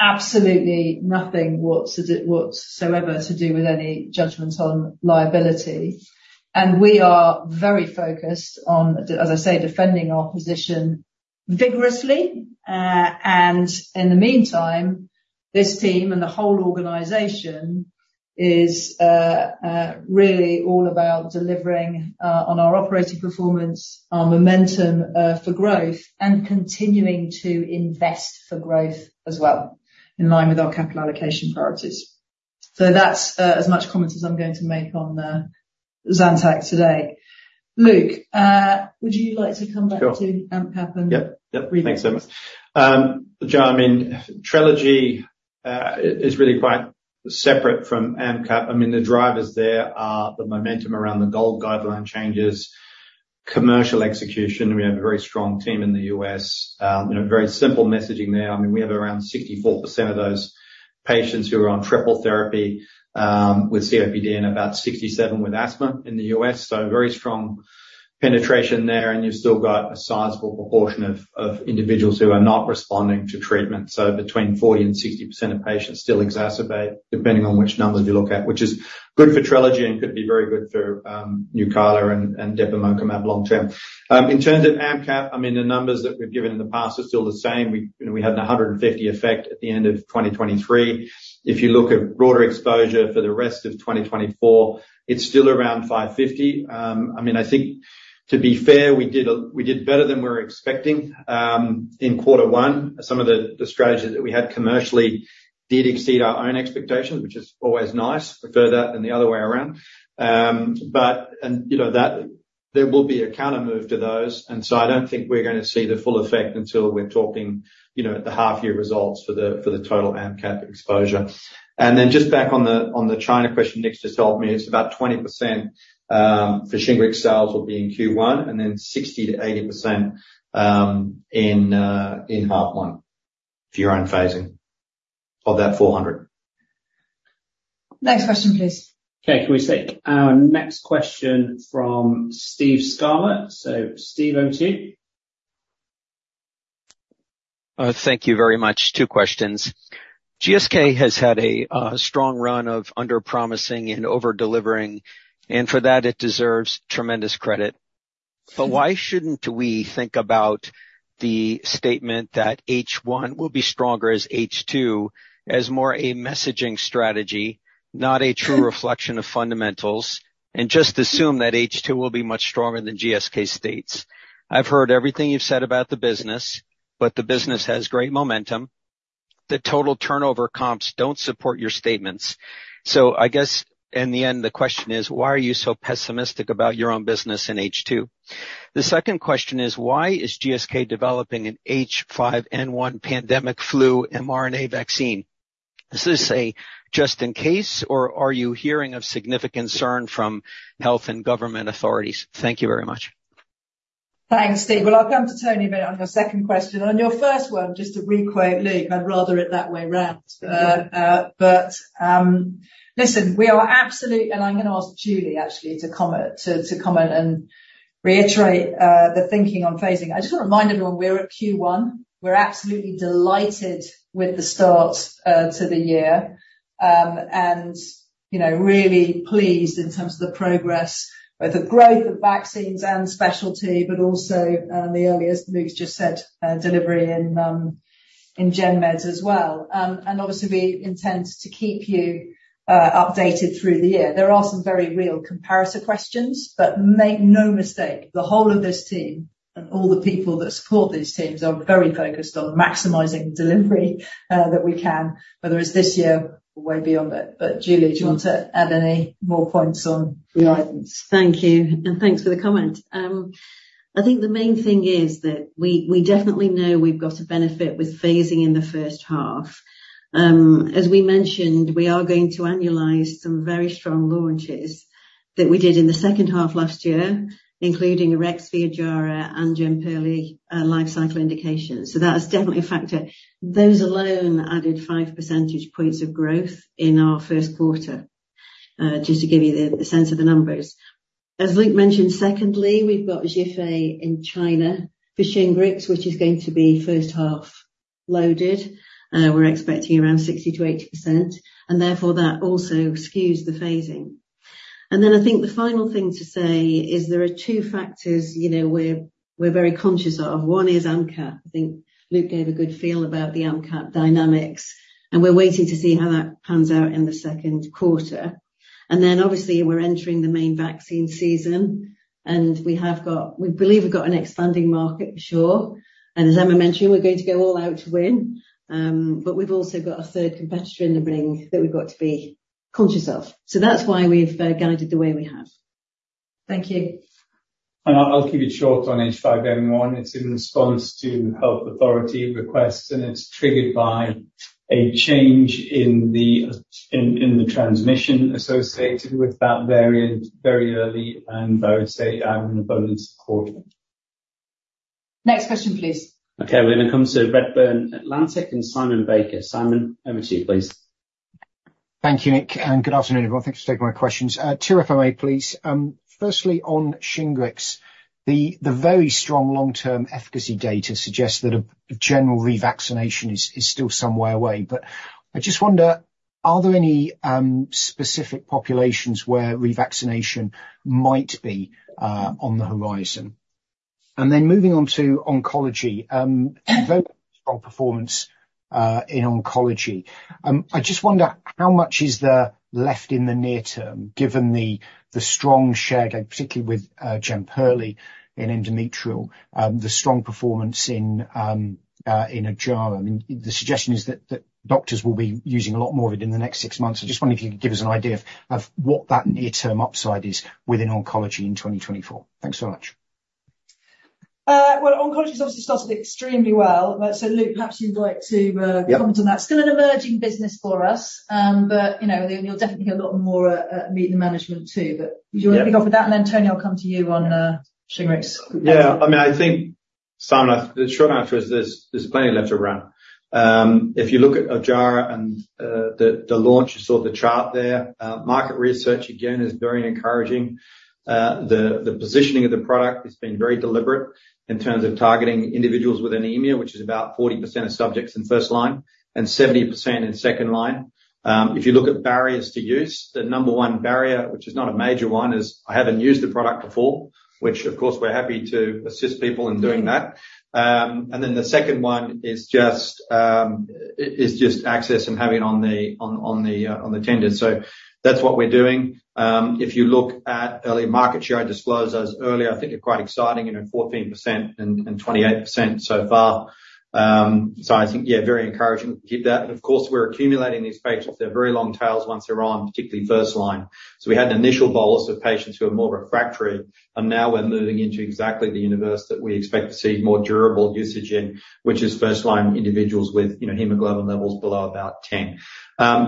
Absolutely nothing whatsoever to do with any judgment on liability, and we are very focused on, as I say, defending our position vigorously. And in the meantime, this team and the whole organization is really all about delivering on our operating performance, our momentum for growth, and continuing to invest for growth as well, in line with our capital allocation priorities. So that's as much comment as I'm going to make on Zantac today. Luke, would you like to come back- Sure. -to AMP Cap and- Yep. Yep. Rebates. Thanks very much. Jo, I mean, Trelegy is really quite separate from AMP Cap. I mean, the drivers there are the momentum around the GOLD guideline changes, commercial execution. We have a very strong team in the U.S., you know, very simple messaging there. I mean, we have around 64% of those patients who are on triple therapy with COPD and about 67% with asthma in the U.S. So very strong penetration there, and you've still got a sizable proportion of, of individuals who are not responding to treatment. So between 40% and 60% of patients still exacerbate, depending on which numbers you look at, which is good for Trelegy and could be very good for Nucala and depemokumab long term. In terms of AMP Cap, I mean, the numbers that we've given in the past are still the same. We, you know, we had a 150 effect at the end of 2023. If you look at broader exposure for the rest of 2024, it's still around 550. I mean, I think to be fair, we did better than we were expecting in Q1. Some of the strategies that we had commercially did exceed our own expectations, which is always nice. Prefer that than the other way around. But and you know that there will be a countermove to those, and so I don't think we're gonna see the full effect until we're talking, you know, at the half-year results for the total AMP Cap exposure. Just back on the China question, Nick just told me it's about 20% for Shingrix sales will be in Q1, and then 60%-80% in H1, for your own phasing of that 400. Next question, please. Okay. Can we take our next question from Steve Scala? So Steve, over to you.... Thank you very much. Two questions. GSK has had a strong run of under-promising and over-delivering, and for that, it deserves tremendous credit. But why shouldn't we think about the statement that H1 will be stronger as H2, as more a messaging strategy, not a true reflection of fundamentals, and just assume that H2 will be much stronger than GSK states? I've heard everything you've said about the business, but the business has great momentum. The total turnover comps don't support your statements. So I guess in the end, the question is, why are you so pessimistic about your own business in H2? The second question is, why is GSK developing an H5N1 pandemic flu mRNA vaccine? Is this a just in case, or are you hearing of significant concern from health and government authorities? Thank you very much. Thanks, Steve. Well, I'll come to Tony a bit on your second question. On your first one, just to requote Luke, I'd rather it that way around. But listen, we are absolutely, and I'm going to ask Julie actually to comment and reiterate the thinking on phasing. I just want to remind everyone, we're at Q1. We're absolutely delighted with the start to the year. And you know, really pleased in terms of the progress, both the growth of vaccines and specialty, but also the earlier, as Luke just said, delivery in gen meds as well. And obviously, we intend to keep you updated through the year. There are some very real comparative questions, but make no mistake, the whole of this team and all the people that support these teams are very focused on maximizing delivery that we can, whether it's this year or way beyond it. But, Julie, do you want to add any more points on guidance? Thank you, and thanks for the comment. I think the main thing is that we definitely know we've got a benefit with phasing in the H1. As we mentioned, we are going to annualize some very strong launches that we did in the H2 last year, including Arexvy, Ojjaara, and Jemperli, life cycle indications. That is definitely a factor. Those alone added 5 percentage points of growth in our Q1, just to give you the sense of the numbers. As Luke mentioned, secondly, we've got Zhifei in China for Shingrix, which is going to be H1 loaded. We're expecting around 60%-80%, and therefore, that also skews the phasing. Then I think the final thing to say is there are two factors, you know, we're very conscious of. One is Menveo. I think Luke gave a good feel about the market dynamics, and we're waiting to see how that pans out in the Q2. And then, obviously, we're entering the main vaccine season, and we have got, we believe we've got an expanding market for sure. And as Emma mentioned, we're going to go all out to win. But we've also got a third competitor in the ring that we've got to be conscious of. So that's why we've guided the way we have. Thank you. I'll keep it short on H5N1. It's in response to health authority requests, and it's triggered by a change in the transmission associated with that variant very early, and I would say out in the bonus quarter. Next question, please. Okay, we're going to come to Redburn Atlantic and Simon Baker. Simon, over to you, please. Thank you, Nick, and good afternoon, everyone. Thanks for taking my questions. Two if I may, please. Firstly, on Shingrix, the very strong long-term efficacy data suggests that a general revaccination is still somewhere away. But I just wonder, are there any specific populations where revaccination might be on the horizon? And then moving on to oncology, very strong performance in oncology. I just wonder, how much is there left in the near term, given the strong share gain, particularly with Jemperli in endometrial, the strong performance in Ojjaara? I mean, the suggestion is that doctors will be using a lot more of it in the next 6 months. I just wondered if you could give us an idea of what that near-term upside is within oncology in 2024. Thanks so much. Well, oncology has obviously started extremely well. So Luke, perhaps you'd like to, Yep... comment on that. Still an emerging business for us, but, you know, you'll definitely hear a lot more at Meet the Management, too. But- Yep... do you want to kick off with that, and then, Tony, I'll come to you on Shingrix. Yeah. I mean, I think, Simon, the short answer is there's plenty left to run. If you look at Ojjaara and the launch, you saw the chart there. Market research, again, is very encouraging. The positioning of the product has been very deliberate in terms of targeting individuals with anemia, which is about 40% of subjects in first line and 70% in second line. If you look at barriers to use, the number 1 barrier, which is not a major one, is, "I haven't used the product before," which, of course, we're happy to assist people in doing that. And then the second one is just access and having it on the tenders. So that's what we're doing. If you look at early market share, I disclosed those earlier, I think they're quite exciting, you know, 14% and 28% so far. So I think, yeah, very encouraging to keep that. And of course, we're accumulating these patients. They're very long tails once they're on, particularly first line. So we had an initial bolus of patients who are more refractory, and now we're moving into exactly the universe that we expect to see more durable usage in, which is first-line individuals with, you know, hemoglobin levels below about 10.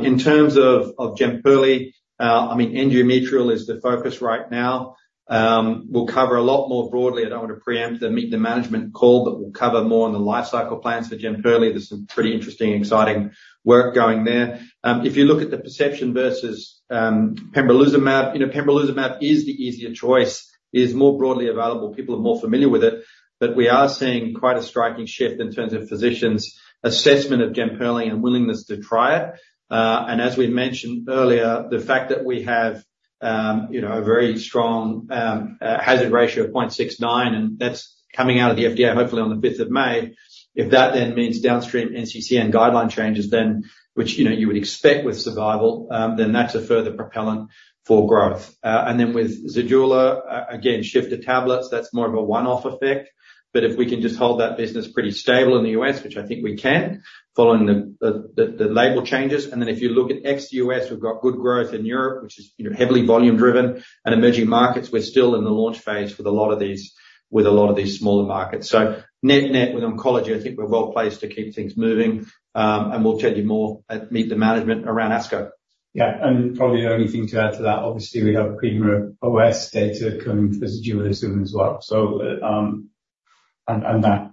In terms of Jemperli, I mean, endometrial is the focus right now. We'll cover a lot more broadly. I don't want to preempt the Meet the Management call, but we'll cover more on the life cycle plans for Jemperli. There's some pretty interesting and exciting work going there. If you look at the perception versus pembrolizumab, you know, pembrolizumab is the easier choice, is more broadly available. People are more familiar with it, but we are seeing quite a striking shift in terms of physicians' assessment of Jemperli and willingness to try it. And as we've mentioned earlier, the fact that we have you know, a very strong hazard ratio of 0.69, and that's coming out of the FDA, hopefully on the fifth of May. If that then means downstream NCCN guideline changes, then which, you know, you would expect with survival, then that's a further propellant for growth. And then with Zejula, again, shift to tablets, that's more of a one-off effect. But if we can just hold that business pretty stable in the U.S., which I think we can, following the label changes. And then if you look at ex-U.S., we've got good growth in Europe, which is, you know, heavily volume driven. And emerging markets, we're still in the launch phase with a lot of these smaller markets. So net-net, with oncology, I think we're well placed to keep things moving, and we'll tell you more at Meet the Management around ASCO. Yeah, and probably the only thing to add to that, obviously, we have PFS and OS data coming for Zejula soon as well. So, that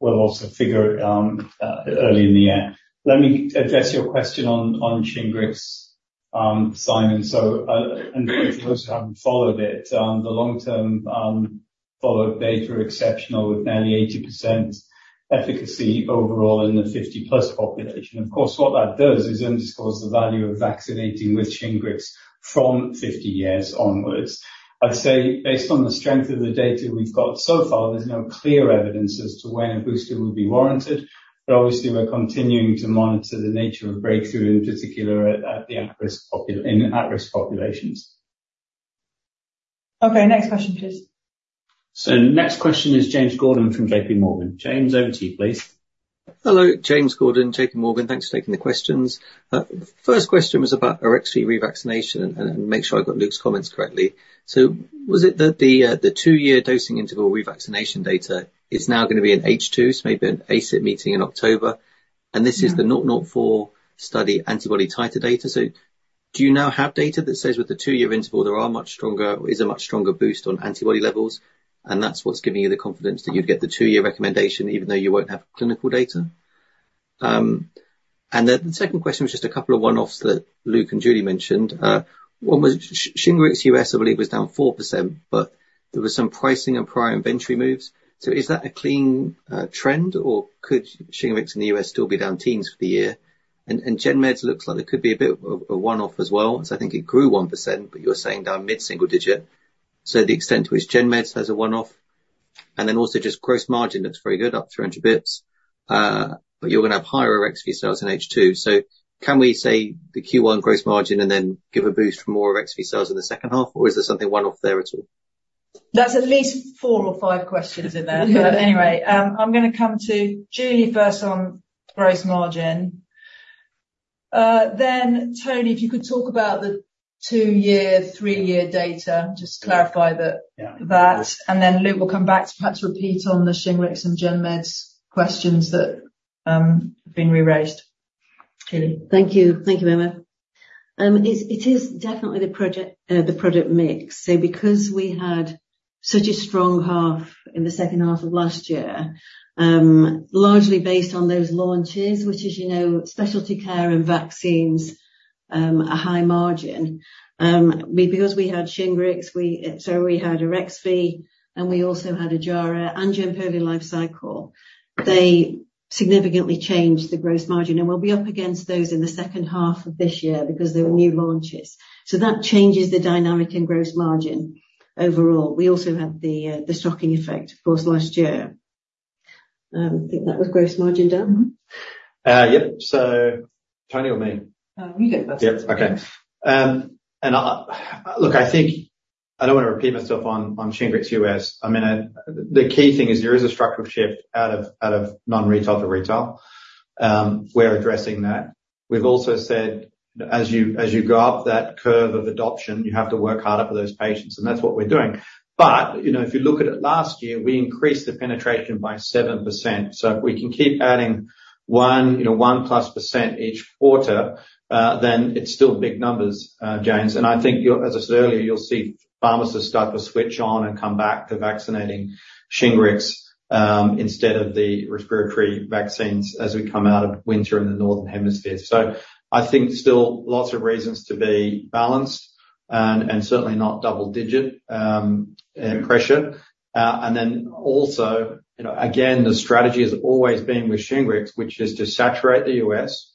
will also figure early in the year. Let me address your question on Shingrix, Simon. So, for those who haven't followed it, the long-term follow-up data are exceptional, with nearly 80% efficacy overall in the 50+ population. Of course, what that does is underscores the value of vaccinating with Shingrix from 50 years onwards. I'd say based on the strength of the data we've got so far, there's no clear evidence as to when a booster would be warranted, but obviously we're continuing to monitor the nature of breakthrough, in particular, in at-risk populations. Okay, next question, please. The next question is James Gordon from JP Morgan. James, over to you, please. Hello, James Gordon, J.P. Morgan. Thanks for taking the questions. First question was about Arexvy revaccination, and make sure I've got Luke's comments correctly. So was it that the 2-year dosing interval revaccination data is now gonna be in H2, so maybe an ACIP meeting in October? Yeah. This is the 004 study antibody titer data. So do you now have data that says with the 2-year interval, there are much stronger—is a much stronger boost on antibody levels, and that's what's giving you the confidence that you'd get the 2-year recommendation, even though you won't have clinical data? And then the second question was just a couple of one-offs that Luke and Julie mentioned. One was Shingrix U.S., I believe, was down 4%, but there was some pricing and prior inventory moves. So is that a clean trend, or could Shingrix in the U.S. still be down teens for the year? And Gen Meds looks like it could be a bit of a one-off as well. So I think it grew 1%, but you're saying down mid-single digit. So the extent to which Gen Meds has a one-off, and then also just gross margin looks very good, up 300 basis points. But you're gonna have higher Arexvy sales in H2. So can we say the Q1 gross margin and then give a boost for more Arexvy sales in the H2, or is there something one-off there at all? That's at least 4 or 5 questions in there. But anyway, I'm gonna come to Julie first on gross margin. Then Tony, if you could talk about the 2-year, 3-year data, just to clarify that. Yeah. - that, and then Luke, we'll come back to perhaps repeat on the Shingrix and Gen Meds questions that have been re-raised. Julie? Thank you. Thank you, Emma. It is definitely the product mix. So because we had such a strong half in the H2 of last year, largely based on those launches, which is, you know, specialty care and vaccines, are high margin. Because we had Shingrix, we, so we had Arexvy, and we also had Ojjaara and Jemperli lifecycle, they significantly changed the gross margin, and we'll be up against those in the H2 of this year, because they were new launches. So that changes the dynamic and gross margin overall. We also had the stocking effect, of course, last year. I think that was gross margin done, mm-hmm? Yep. So Tony or me? You get that. Yep. Okay. And I look, I think I don't want to repeat myself on Shingrix U.S. I mean, the key thing is there is a structural shift out of non-retail to retail. We're addressing that. We've also said, as you go up that curve of adoption, you have to work harder for those patients, and that's what we're doing. But you know, if you look at it, last year, we increased the penetration by 7%. So if we can keep adding one, you know, 1%+ each quarter, then it's still big numbers, James. And I think you'll, as I said earlier, you'll see pharmacists start to switch on and come back to vaccinating Shingrix, instead of the respiratory vaccines as we come out of winter in the Northern Hemisphere. So I think still lots of reasons to be balanced and certainly not double-digit pressure. And then also, you know, again, the strategy has always been with Shingrix, which is to saturate the US,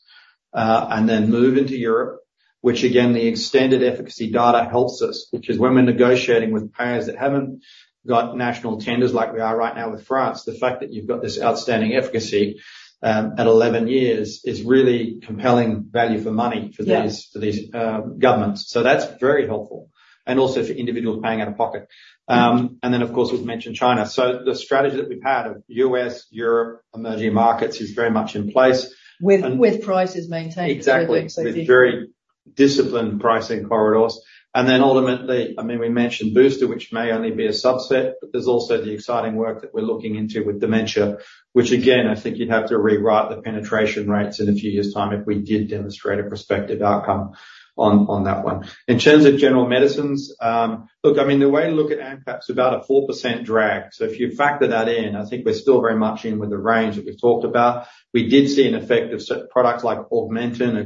and then move into Europe, which again, the extended efficacy data helps us, because when we're negotiating with payers that haven't got national tenders, like we are right now with France, the fact that you've got this outstanding efficacy at 11 years, is really compelling value for money- Yeah... for these governments. So that's very helpful, and also for individuals paying out of pocket. And then, of course, we've mentioned China. So the strategy that we've had of U.S., Europe, emerging markets is very much in place. With prices maintained- Exactly. as we expected. With very disciplined pricing corridors. Then ultimately, I mean, we mentioned booster, which may only be a subset, but there's also the exciting work that we're looking into with dementia, which again, I think you'd have to rewrite the penetration rates in a few years' time if we did demonstrate a prospective outcome on that one. In terms of general medicines, look, I mean, the way to look at AMP, perhaps, about a 4% drag. So if you factor that in, I think we're still very much in with the range that we've talked about. We did see an effect of certain products like Augmentin,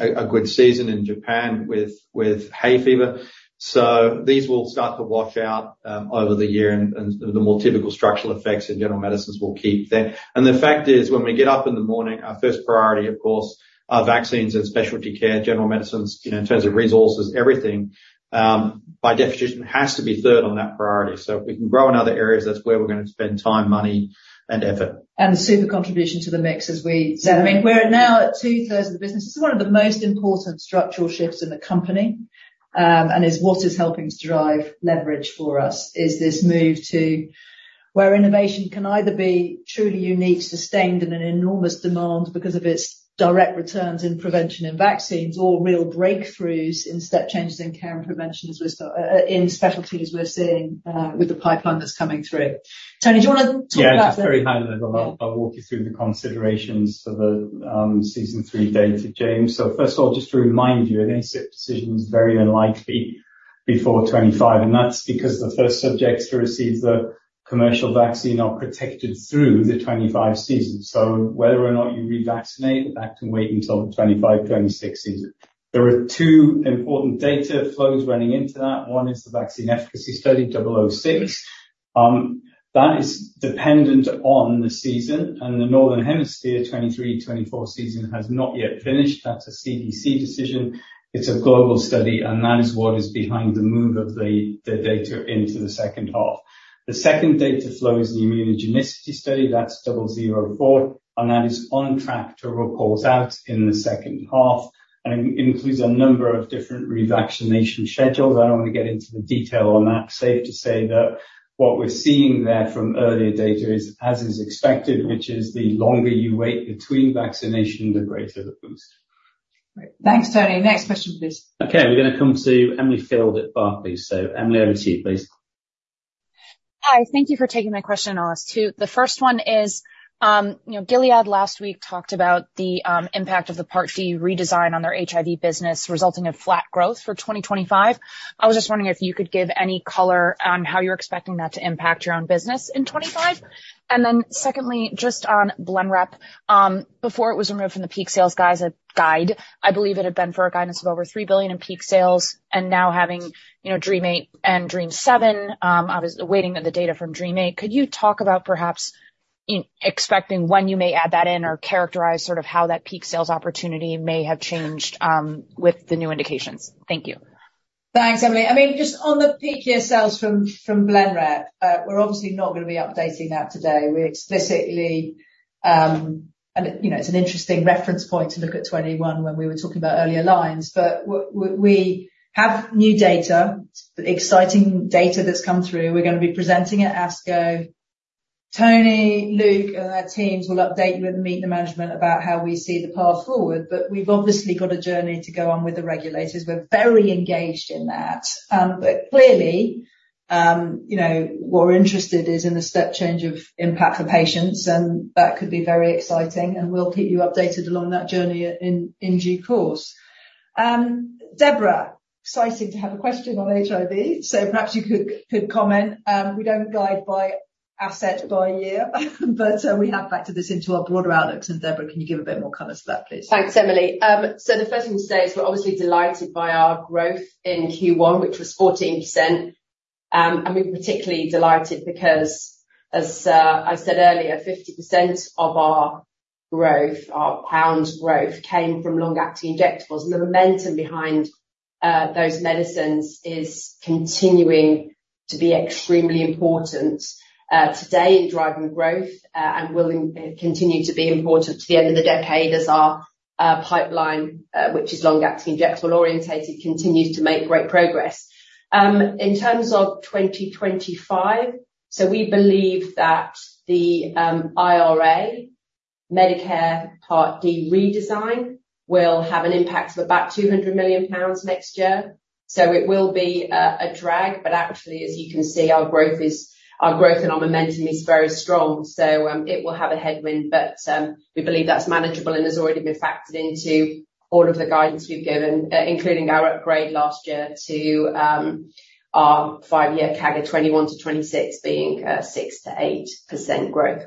a good season in Japan with hay fever.... So these will start to wash out over the year, and the more typical structural effects in general medicines will keep then. And the fact is, when we get up in the morning, our first priority, of course, are vaccines and specialty care. General medicines, you know, in terms of resources, everything, by definition, has to be third on that priority. So if we can grow in other areas, that's where we're gonna spend time, money, and effort. The super contribution to the mix as we- I mean, we're now at two-thirds of the business. This is one of the most important structural shifts in the company, and is what is helping to drive leverage for us, is this move to where innovation can either be truly unique, sustained, and in enormous demand because of its direct returns in prevention and vaccines, or real breakthroughs in step changes in care and prevention, as we're still, in specialties we're seeing, with the pipeline that's coming through. Tony, do you wanna talk about the- Yeah, just very high level. Yeah. I'll walk you through the considerations for the season 3 data, James. So first of all, just to remind you, an ACIP decision is very unlikely before 2025, and that's because the first subjects to receive the commercial vaccine are protected through the 2025 season. So whether or not you revaccinate, that can wait until the 2025-26 season. There are two important data flows running into that. One is the vaccine efficacy study, 006. That is dependent on the season, and the Northern Hemisphere 2023-24 season has not yet finished. That's a CDC decision. It's a global study, and that is what is behind the move of the data into the H2. The second data flow is the immunogenicity study. That's 004, and that is on track to report out in the H2, and it includes a number of different revaccination schedules. I don't want to get into the detail on that. Safe to say that what we're seeing there from earlier data is, as is expected, which is the longer you wait between vaccination, the greater the boost. Great. Thanks, Tony. Next question, please. Okay, we're gonna come to Emily Field at Barclays. Emily, over to you, please. Hi. Thank you for taking my question, all. Two, the first one is, you know, Gilead, last week, talked about the impact of the Part D redesign on their HIV business, resulting in flat growth for 2025. I was just wondering if you could give any color on how you're expecting that to impact your own business in 2025. And then, secondly, just on Blenrep, before it was removed from the peak sales guide, I believe it had been for a guidance of over $3 billion in peak sales, and now having, you know, DREAMM-8 and DREAMM-7, obviously waiting on the data from DREAMM-8, could you talk about perhaps expecting when you may add that in or characterize sort of how that peak sales opportunity may have changed, with the new indications? Thank you. Thanks, Emily. I mean, just on the peak year sales from Blenrep, we're obviously not gonna be updating that today. We explicitly, and, you know, it's an interesting reference point to look at 21 when we were talking about earlier lines. But we have new data, exciting data that's come through. We're gonna be presenting at ASCO. Tony, Luke, and their teams will update you at the Meet the Management about how we see the path forward, but we've obviously got a journey to go on with the regulators. We're very engaged in that. But clearly, you know, what we're interested is in the step change of impact for patients, and that could be very exciting, and we'll keep you updated along that journey in due course. Deborah, exciting to have a question on HIV, so perhaps you could comment. We don't guide by asset by year, but we have factored this into our broader outlooks. And Deborah, can you give a bit more color to that, please? Thanks, Emily. So the first thing to say is we're obviously delighted by our growth in Q1, which was 14%. And we're particularly delighted because, as I said earlier, 50% of our growth, our pound growth, came from long-acting injectables. And the momentum behind those medicines is continuing to be extremely important today in driving growth and will continue to be important to the end of the decade as our pipeline, which is long-acting injectable-oriented, continues to make great progress. In terms of 2025, so we believe that the IRA Medicare Part D redesign will have an impact of about 200 million pounds next year. So it will be a drag, but actually, as you can see, our growth and our momentum is very strong. So, it will have a headwind, but we believe that's manageable and has already been factored into all of the guidance we've given, including our upgrade last year to our 5-year CAGR of 21-26 being 6%-8% growth.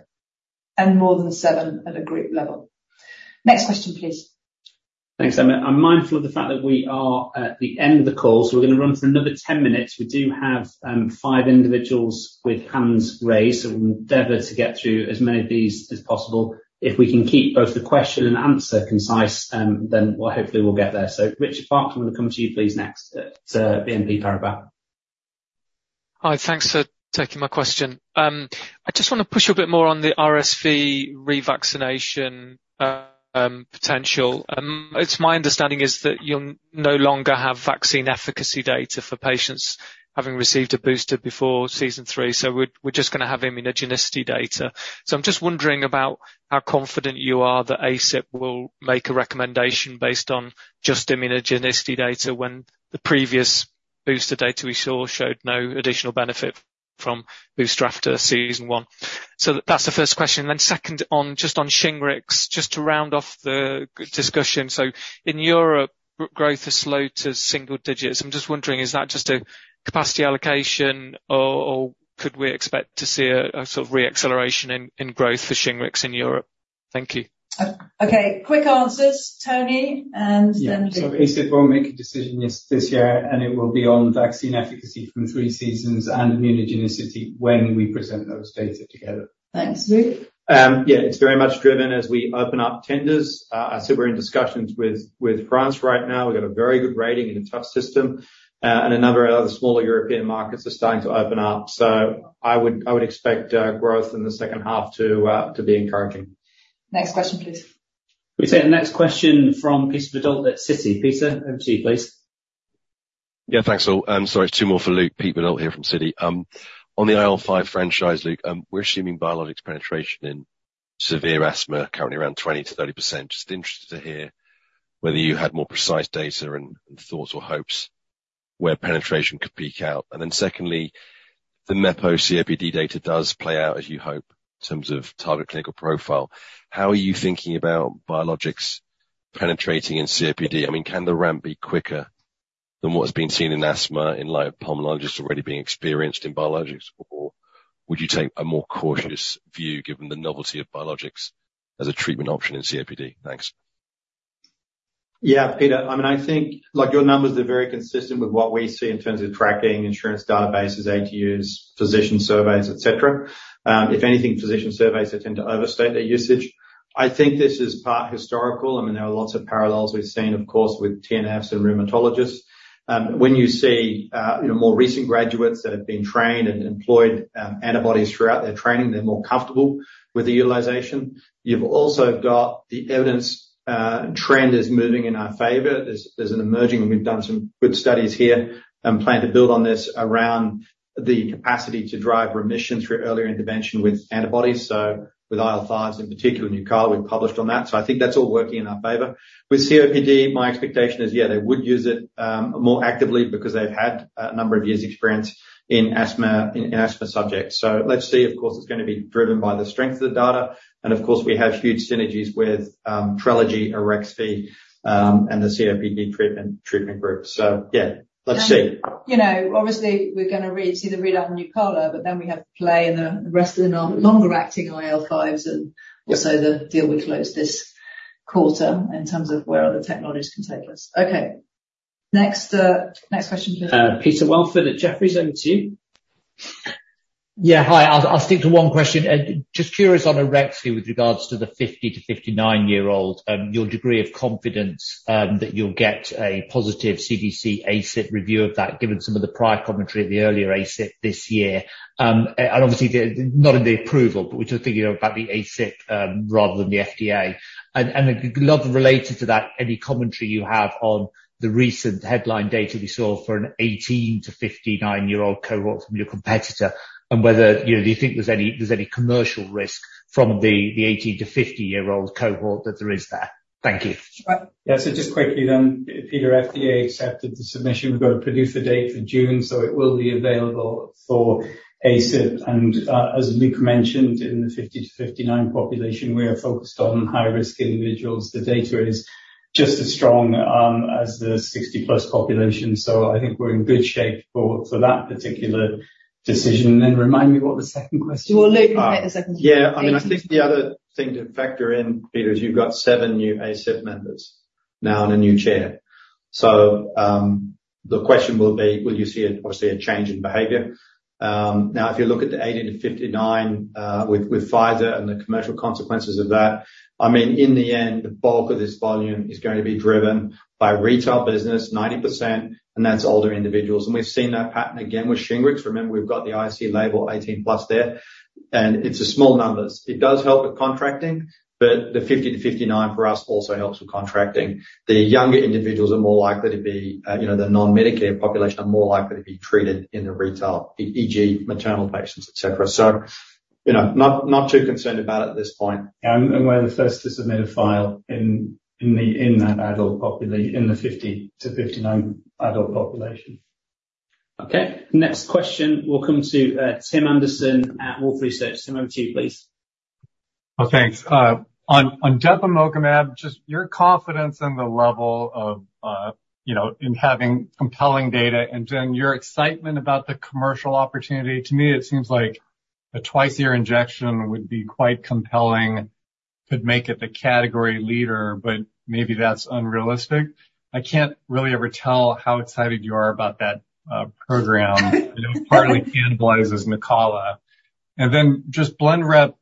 More than 7 at a group level. Next question, please. Thanks, Emily. I'm mindful of the fact that we are at the end of the call, so we're gonna run for another 10 minutes. We do have 5 individuals with hands raised, so we'll endeavor to get through as many of these as possible. If we can keep both the question and answer concise, then, well, hopefully we'll get there. So Richard Parkes, I'm gonna come to you, please, next, at BNP Paribas. Hi, thanks for taking my question. I just want to push you a bit more on the RSV revaccination potential. It's my understanding is that you'll no longer have vaccine efficacy data for patients having received a booster before Season 3, so we're just gonna have immunogenicity data. So I'm just wondering about how confident you are that ACIP will make a recommendation based on just immunogenicity data, when the previous booster data we saw showed no additional benefit from booster after Season 1. So that's the first question. Then second, just on Shingrix, just to round off the discussion, so in Europe, growth has slowed to single digits. I'm just wondering, is that just a...... capacity allocation, or could we expect to see a sort of re-acceleration in growth for Shingrix in Europe? Thank you. Okay, quick answers. Tony, and then Luke. Yeah. So ACIP will make a decision this year, and it will be on vaccine efficacy from 3 seasons and immunogenicity when we present those data together. Thanks. Luke? Yeah, it's very much driven as we open up tenders. So we're in discussions with France right now. We've got a very good rating in a tough system, and a number of other smaller European markets are starting to open up. So I would expect growth in the H2 to be encouraging. Next question, please. We take the next question from Peter Verdult at Citi. Peter, over to you, please. Yeah, thanks, all. Sorry, two more for Luke. Peter Verdult here from Citi. On the IL-5 franchise, Luke, we're assuming biologics penetration in severe asthma are currently around 20%-30%. Just interested to hear whether you had more precise data and thoughts or hopes where penetration could peak out. And then secondly, the mepo COPD data does play out as you hope in terms of target clinical profile. How are you thinking about biologics penetrating in COPD? I mean, can the ramp be quicker than what has been seen in asthma, in light of pulmonologists already being experienced in biologics? Or would you take a more cautious view, given the novelty of biologics as a treatment option in COPD? Thanks. Yeah, Peter. I mean, I think, like, your numbers are very consistent with what we see in terms of tracking insurance databases, ATUs, physician surveys, et cetera. If anything, physician surveys they tend to overstate their usage. I think this is part historical. I mean, there are lots of parallels we've seen, of course, with TNFs and rheumatologists. When you see, you know, more recent graduates that have been trained and employed, antibodies throughout their training, they're more comfortable with the utilization. You've also got the evidence, trend is moving in our favor. There's an emerging, and we've done some good studies here, and plan to build on this, around the capacity to drive remission through earlier intervention with antibodies, so with IL-5s, in particular Nucala, we've published on that. So I think that's all working in our favor. With COPD, my expectation is, yeah, they would use it more actively because they've had a number of years' experience in asthma subjects. So let's see. Of course, it's going to be driven by the strength of the data, and of course, we have huge synergies with Trelegy, Arexvy, and the COPD treatment group. So yeah, let's see. You know, obviously, we're gonna read -- see the readout on Nucala, but then we have play in the rest of our longer-acting IL-5s and- Yeah. also the deal we closed this quarter in terms of where other technologies can take us. Okay. Next, next question, please. Peter Welford at Jefferies, over to you. Yeah, hi. I'll, I'll stick to one question. Just curious on Arexvy with regards to the 50- to 59-year-old, your degree of confidence that you'll get a positive CDC ACIP review of that, given some of the prior commentary of the earlier ACIP this year. And obviously, not in the approval, but we're just thinking about the ACIP, rather than the FDA. And then, related to that, any commentary you have on the recent headline data we saw for an 18- to 59-year-old cohort from your competitor, and whether, you know, do you think there's any, there's any commercial risk from the, the 18- to 50-year-old cohort that there is there? Thank you. Yeah, so just quickly then, Peter, FDA accepted the submission. We've got a PDUFA date for June, so it will be available for ACIP. And, as Luke mentioned, in the 50-59 population, we are focused on high-risk individuals. The data is just as strong, as the 60+ population, so I think we're in good shape for that particular decision. And then remind me what was the second question? Well, Luke, repeat the second question. Yeah. I mean, I think the other thing to factor in, Peter, is you've got 7 new ACIP members, now and a new chair. So, the question will be: Will you see, obviously, a change in behavior? Now, if you look at the 18-59, with Pfizer and the commercial consequences of that, I mean, in the end, the bulk of this volume is going to be driven by retail business, 90%, and that's older individuals. And we've seen that pattern again with Shingrix. Remember, we've got the IC label 18+ there, and it's small numbers. It does help with contracting, but the 50-59 for us also helps with contracting. The younger individuals are more likely to be, you know, the non-Medicare population are more likely to be treated in the retail, e.g., maternal patients, et cetera. You know, not, not too concerned about it at this point. Yeah, and we're the first to submit a filing in that adult population in the 50-59 adult population. Okay, next question will come to, Tim Anderson at Wolfe Research. Tim, over to you, please. Well, thanks. On, on depemokumab, just your confidence in the level of, you know, in having compelling data and then your excitement about the commercial opportunity. To me, it seems like a twice-a-year injection would be quite compelling, could make it the category leader, but maybe that's unrealistic. I can't really ever tell how excited you are about that program. You know, it partly cannibalizes Nucala. And then just Blenrep,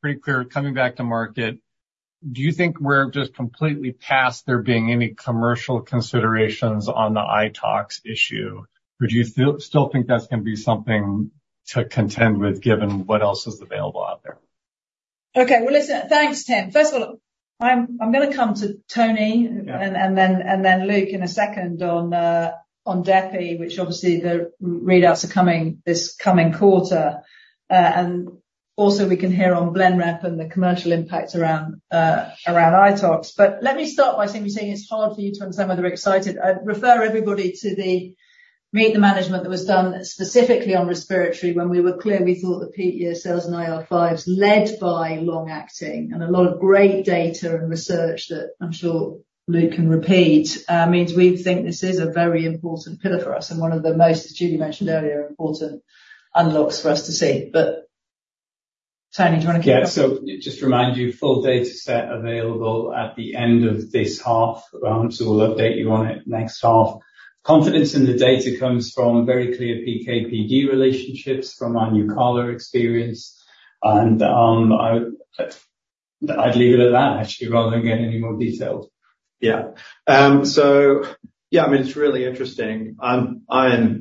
pretty clear, coming back to market, do you think we're just completely past there being any commercial considerations on the iTox issue? Or do you still, still think that's going to be something to contend with, given what else is available out there? Okay, well, listen. Thanks, Tim. First of all, I'm gonna come to Tony- Yeah. and then Luke in a second on Depi, which obviously the readouts are coming this coming quarter. And also, we can hear on Blenrep and the commercial impact around iTox. But let me start by simply saying it's hard for you to understand whether we're excited. I'd refer everybody to the Meet the Management that was done specifically on respiratory, when we were clear we thought the peak year sales in IL-5s, led by long-acting, and a lot of great data and research that I'm sure Luke can repeat, means we think this is a very important pillar for us and one of the most, as Julie mentioned earlier, important unlocks for us to see. But... Tony, do you want to- Yeah, so just to remind you, full data set available at the end of this half. So we'll update you on it next half. Confidence in the data comes from very clear PK/PD relationships from our Nucala experience, and I'd leave it at that, actually, rather than get any more detailed. Yeah. So yeah, I mean, it's really interesting. I'm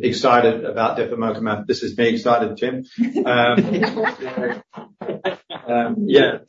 excited about depemokumab. This is me excited, Tim. Yeah,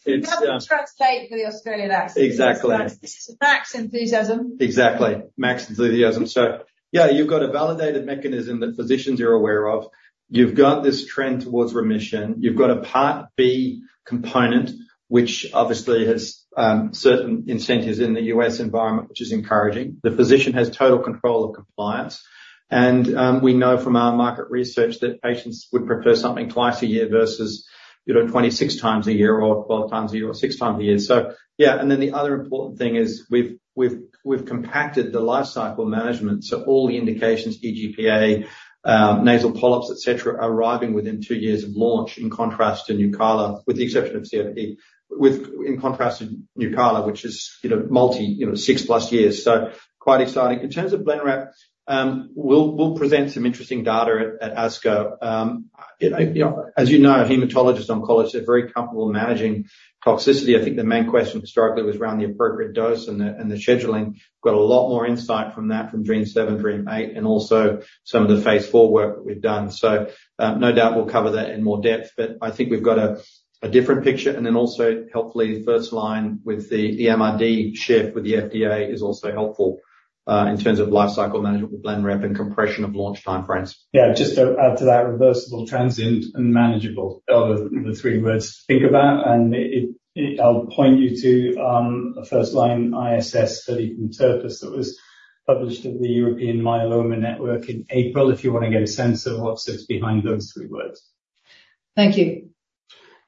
it's You'll have to translate for the Australian accent. Exactly. This is Max enthusiasm. Exactly. Max enthusiasm. So yeah, you've got a validated mechanism that physicians are aware of. You've got this trend towards remission. You've got a Part B component, which obviously has certain incentives in the U.S. environment, which is encouraging. The physician has total control of compliance, and we know from our market research that patients would prefer something twice a year versus, you know, 26x a year, or 12x a year, or 6x a year. So, yeah, and then the other important thing is we've compacted the life cycle management. So all the indications, EGPA, nasal polyps, et cetera, are arriving within 2 years of launch, in contrast to Nucala, with the exception of COPD, in contrast to Nucala, which is, you know, multi you know, 6+ years. So quite exciting. In terms of Blenrep, we'll present some interesting data at ASCO. You know, as you know, hematologist oncologists are very comfortable managing toxicity. I think the main question historically was around the appropriate dose and the scheduling. Got a lot more insight from that, from DREAMM-7, DREAMM-8, and also some of the phase IV work that we've done. So, no doubt we'll cover that in more depth, but I think we've got a different picture. And then also, hopefully, first line with the MRD shift with the FDA is also helpful in terms of life cycle management with Blenrep and compression of launch time frames. Yeah, just to add to that, reversible, transient, and manageable are the 3 words to think about. And it, I'll point you to a first-line ISS study from Touzeau that was published in the European Myeloma Network in April, if you want to get a sense of what sits behind those 3 words. Thank you.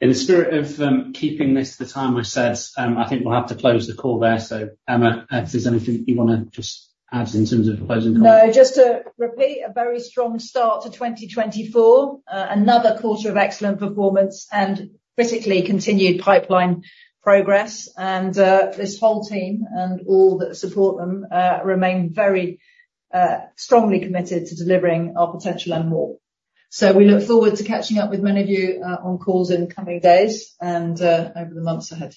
In the spirit of keeping this to the time we said, I think we'll have to close the call there. So Emma, if there's anything you want to just add in terms of closing comments? No, just to repeat, a very strong start to 2024. Another quarter of excellent performance and critically continued pipeline progress. This whole team, and all that support them, remain very strongly committed to delivering our potential and more. So we look forward to catching up with many of you, on calls in the coming days and over the months ahead.